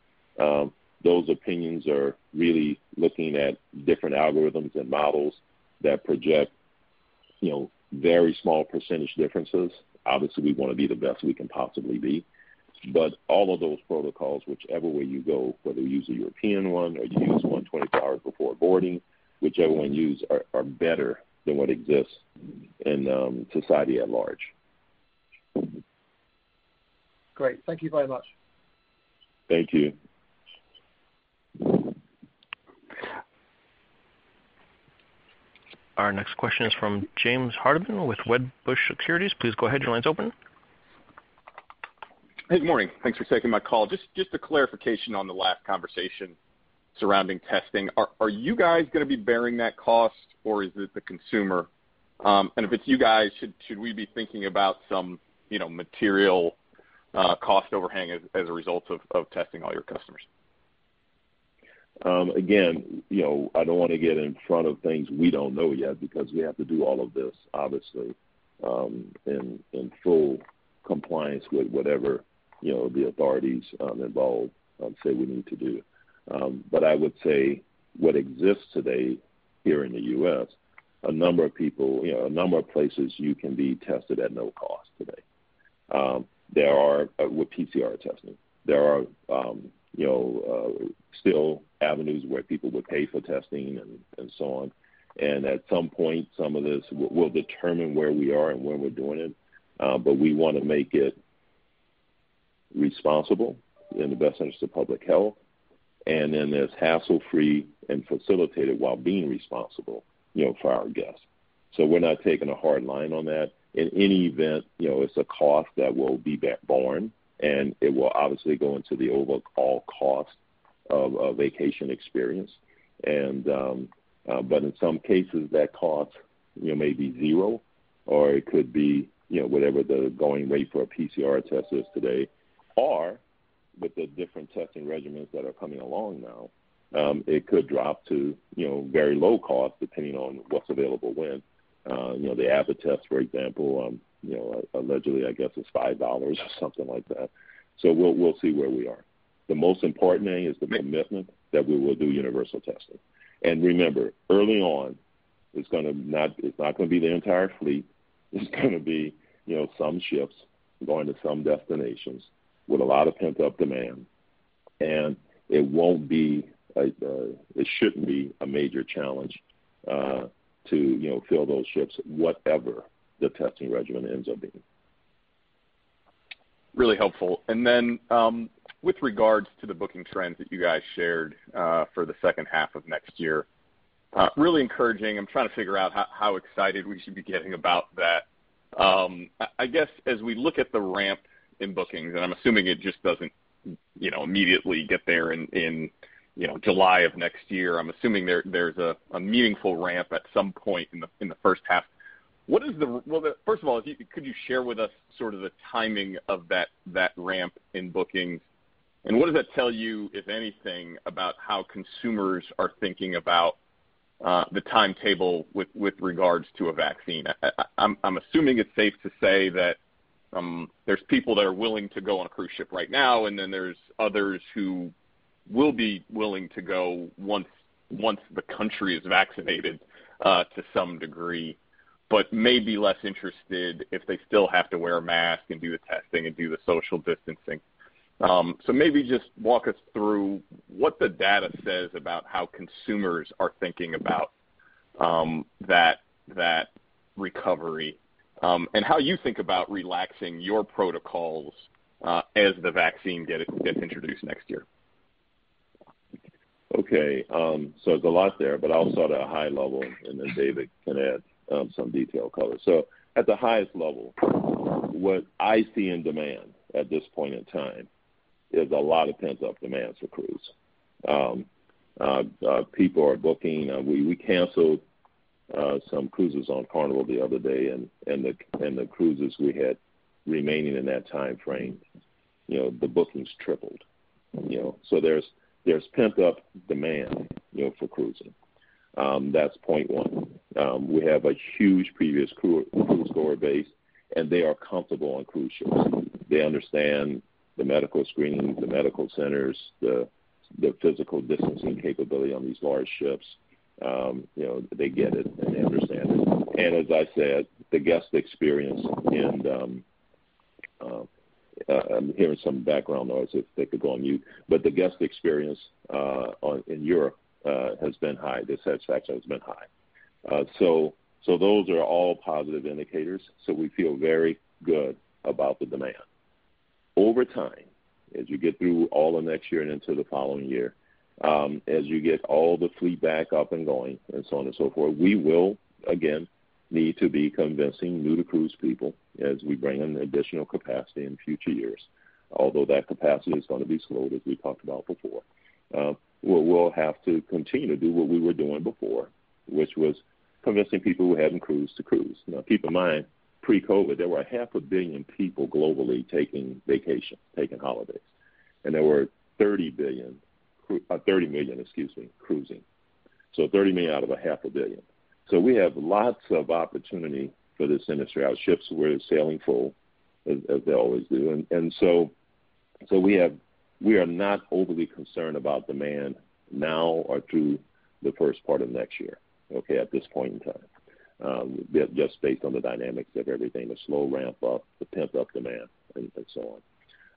Those opinions are really looking at different algorithms and models that project very small percentage differences. Obviously, we want to be the best we can possibly be. All of those protocols, whichever way you go, whether you use a European one or you use one 24 hours before boarding, whichever one you use are better than what exists in society at large. Great. Thank you very much. Thank you. Our next question is from James Hardiman with Wedbush Securities. Please go ahead. Your line's open. Good morning. Thanks for taking my call. Just a clarification on the last conversation surrounding testing. Are you guys going to be bearing that cost, or is it the consumer? If it's you guys, should we be thinking about some material cost overhang as a result of testing all your customers? I don't want to get in front of things we don't know yet because we have to do all of this, obviously, in full compliance with whatever the authorities involved say we need to do. I would say what exists today here in the U.S., a number of places you can be tested at no cost today with PCR testing. There are still avenues where people would pay for testing and so on. At some point, some of this, we'll determine where we are and when we're doing it. We want to make it responsible in the best interest of public health, and then as hassle-free and facilitated while being responsible for our guests. We're not taking a hard line on that. In any event, it's a cost that will be borne, and it will obviously go into the overall cost of a vacation experience. In some cases, that cost may be zero, or it could be whatever the going rate for a PCR test is today, or with the different testing regimens that are coming along now. It could drop to very low cost, depending on what's available when. The Abbott test, for example, allegedly, I guess, is $5 or something like that. We'll see where we are. The most important thing is the commitment that we will do universal testing. Remember, early on, it's not going to be the entire fleet. It's going to be some ships going to some destinations with a lot of pent-up demand. It shouldn't be a major challenge to fill those ships, whatever the testing regimen ends up being. Really helpful. With regards to the booking trends that you guys shared for the second half of next year, really encouraging. I'm trying to figure out how excited we should be getting about that. I guess as we look at the ramp in bookings, and I'm assuming it just doesn't immediately get there in July of next year. I'm assuming there's a meaningful ramp at some point in the first half. First of all, could you share with us sort of the timing of that ramp in bookings, and what does that tell you, if anything, about how consumers are thinking about the timetable with regards to a vaccine? I'm assuming it's safe to say that there's people that are willing to go on a cruise ship right now, and then there's others who will be willing to go once the country is vaccinated to some degree, but may be less interested if they still have to wear a mask and do the testing and do the social distancing. Maybe just walk us through what the data says about how consumers are thinking about that recovery, and how you think about relaxing your protocols as the vaccine gets introduced next year. Okay. There's a lot there, but I'll start at a high level, and then David can add some detail color. At the highest level, what I see in demand at this point in time. There's a lot of pent-up demand for cruise. People are booking. We canceled some cruises on Carnival the other day, and the cruises we had remaining in that timeframe, the bookings tripled. There's pent-up demand for cruising. That's point one. We have a huge previous cruise customer base, and they are comfortable on cruise ships. They understand the medical screening, the medical centers, the physical distancing capability on these large ships. They get it and they understand it. As I said, the guest experience. I'm hearing some background noise. If they could go on mute. The guest experience in Europe has been high. The satisfaction has been high. Those are all positive indicators. We feel very good about the demand. Over time, as we get through all of next year and into the following year, as you get all the fleet back up and going and so on and so forth, we will again need to be convincing new-to-cruise people as we bring in additional capacity in future years. Although that capacity is going to be slowed, as we talked about before. We'll have to continue to do what we were doing before, which was convincing people who hadn't cruised to cruise. Now, keep in mind, pre-COVID, there were half a billion people globally taking vacations, taking holidays, and there were 30 million cruising. 30 million out of a half a billion. We have lots of opportunity for this industry. Our ships were sailing full, as they always do. We are not overly concerned about demand now or through the first part of next year, okay, at this point in time. Just based on the dynamics of everything, the slow ramp-up, the pent-up demand, and so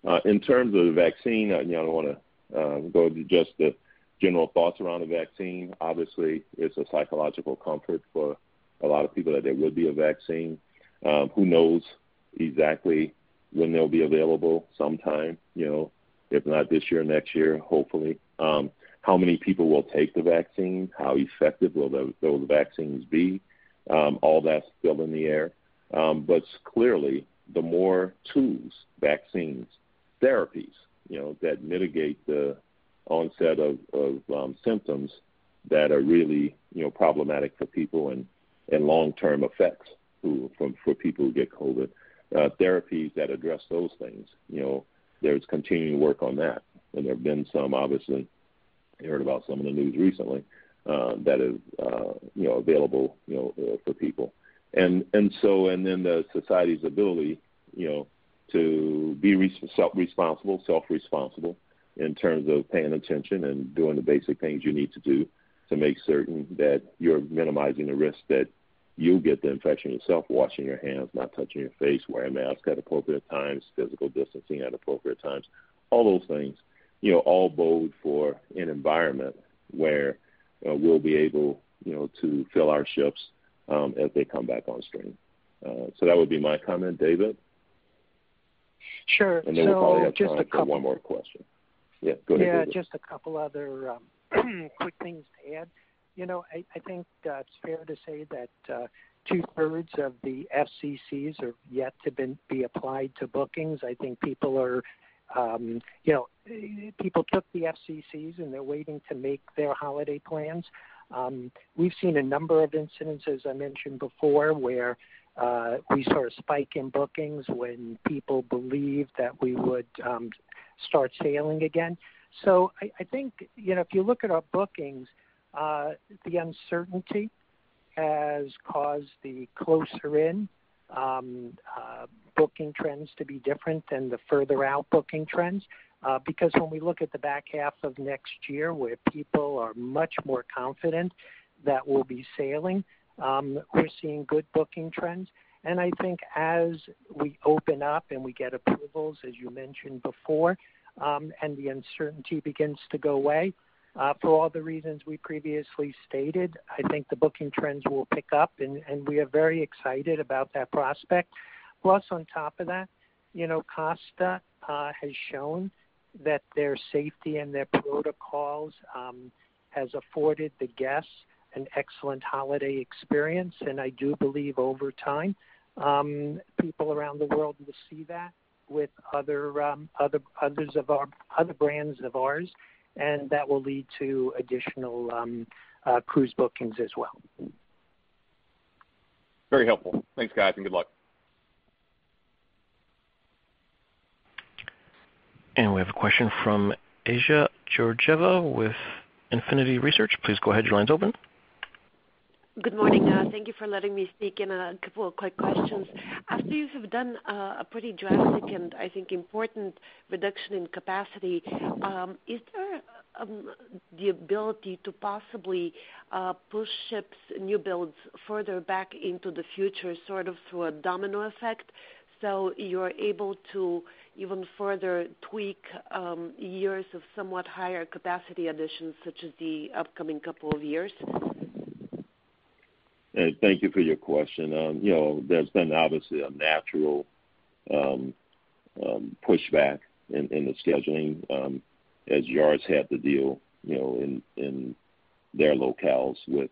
on. In terms of the vaccine, I want to go through just the general thoughts around the vaccine. Obviously, it's a psychological comfort for a lot of people that there will be a vaccine. Who knows exactly when they'll be available? Sometime, if not this year, next year, hopefully. How many people will take the vaccine? How effective will those vaccines be? All that's still in the air. Clearly, the more tools, vaccines, therapies that mitigate the onset of symptoms that are really problematic for people and long-term effects for people who get COVID, therapies that address those things, there's continuing work on that, and there have been some, obviously, you heard about some in the news recently, that is available for people. Then the society's ability to be self-responsible in terms of paying attention and doing the basic things you need to do to make certain that you're minimizing the risk that you'll get the infection yourself. Washing your hands, not touching your face, wearing masks at appropriate times, physical distancing at appropriate times, all those things all bode for an environment where we'll be able to fill our ships as they come back on stream. That would be my comment. David? Sure. We probably have time for one more question. Yeah, go ahead, David. Yeah, just a couple other quick things to add. I think it's fair to say that two-thirds of the FCCs are yet to be applied to bookings. I think people took the FCCs, and they're waiting to make their holiday plans. We've seen a number of instances, I mentioned before, where we saw a spike in bookings when people believed that we would start sailing again. I think if you look at our bookings, the uncertainty has caused the closer-in booking trends to be different than the further-out booking trends. When we look at the back half of next year, where people are much more confident that we'll be sailing, we're seeing good booking trends. I think as we open up and we get approvals, as you mentioned before, and the uncertainty begins to go away, for all the reasons we previously stated, I think the booking trends will pick up, and we are very excited about that prospect. Plus, on top of that, Costa has shown that their safety and their protocols has afforded the guests an excellent holiday experience. I do believe over time, people around the world will see that with other brands of ours, and that will lead to additional cruise bookings as well. Very helpful. Thanks, guys, and good luck. We have a question from Assia Georgieva with Infinity Research. Please go ahead. Your line's open. Good morning. Thank you for letting me speak. A couple of quick questions. After yous have done a pretty drastic and, I think, important reduction in capacity, is there the ability to possibly push ships' new builds further back into the future, sort of through a domino effect, so you're able to even further tweak years of somewhat higher capacity additions, such as the upcoming couple of years? Assia, thank you for your question. There's been, obviously, a natural pushback in the scheduling as yards had to deal in their locales with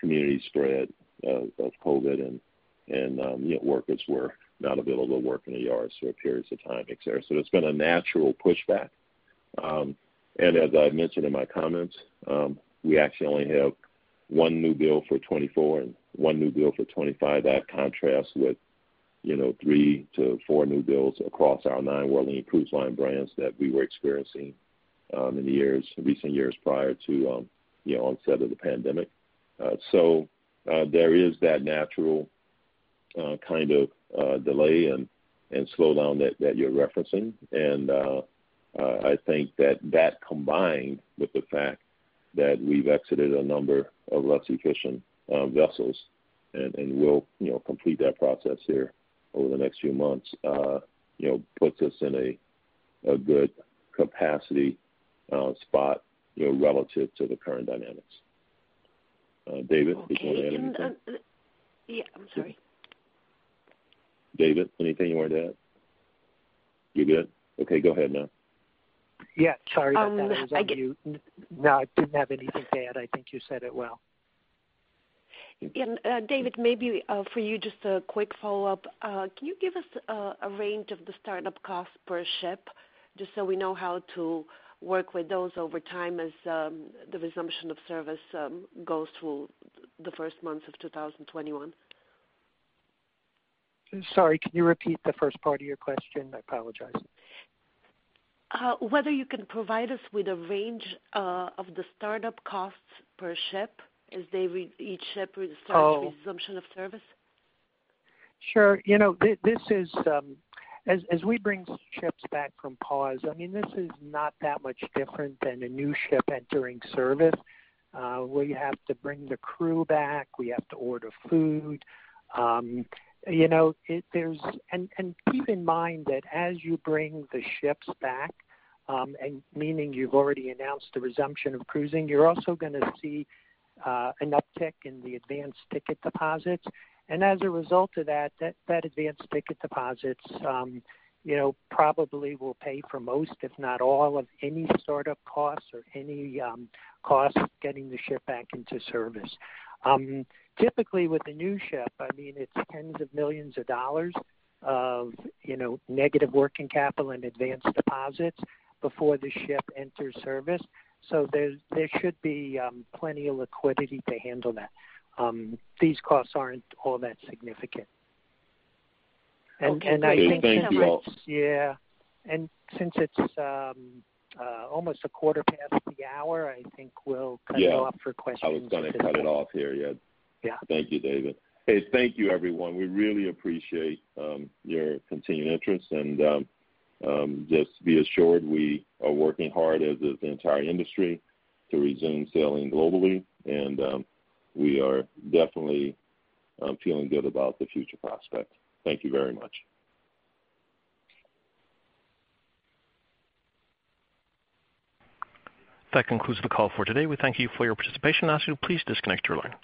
community spread of COVID-19 and workers were not available to work in the yards for periods of time, etc. It's been a natural pushback. As I mentioned in my comments, we actually only have one new build for 2024 and one new build for 2025. That contrasts with three to four new builds across our nine Carnival Corporation cruise line brands that we were experiencing in recent years prior to the onset of the pandemic. There is that natural kind of delay and slowdown that you're referencing. I think that combined with the fact that we've exited a number of less efficient ships, and we'll complete that process here over the next few months, puts us in a good capacity spot relative to the current dynamics. David, did you want to add anything? Yeah. I'm sorry. David, anything you wanted to add? You good? Okay, go ahead, then. Yeah. Sorry about that. I get- I was on mute. No, I didn't have anything to add. I think you said it well. Yeah. David, maybe for you, just a quick follow-up. Can you give us a range of the startup costs per ship, just so we know how to work with those over time as the resumption of service goes through the first months of 2021? Sorry, can you repeat the first part of your question? I apologize. Whether you can provide us with a range of the startup costs per ship as each ship restarts? Oh resumption of service? Sure. As we bring ships back from pause, this is not that much different than a new ship entering service. We have to bring the crew back. We have to order food. Keep in mind that as you bring the ships back, meaning you've already announced the resumption of cruising, you're also going to see an uptick in the advanced ticket deposits. As a result of that advanced ticket deposits probably will pay for most, if not all, of any startup costs or any costs getting the ship back into service. Typically, with a new ship, it's tens of millions of dollars of negative working capital and advanced deposits before the ship enters service. There should be plenty of liquidity to handle that. These costs aren't all that significant. Okay. Okay. Thank you all. Yeah. Since it's almost a quarter past the hour, I think we'll- Yeah go up for questions. I was going to cut it off here, yeah. Yeah. Thank you, David. Hey, thank you, everyone. We really appreciate your continued interest, and just be assured, we are working hard as is the entire industry to resume sailing globally. We are definitely feeling good about the future prospect. Thank you very much. That concludes the call for today. We thank you for your participation and ask you to please disconnect your line.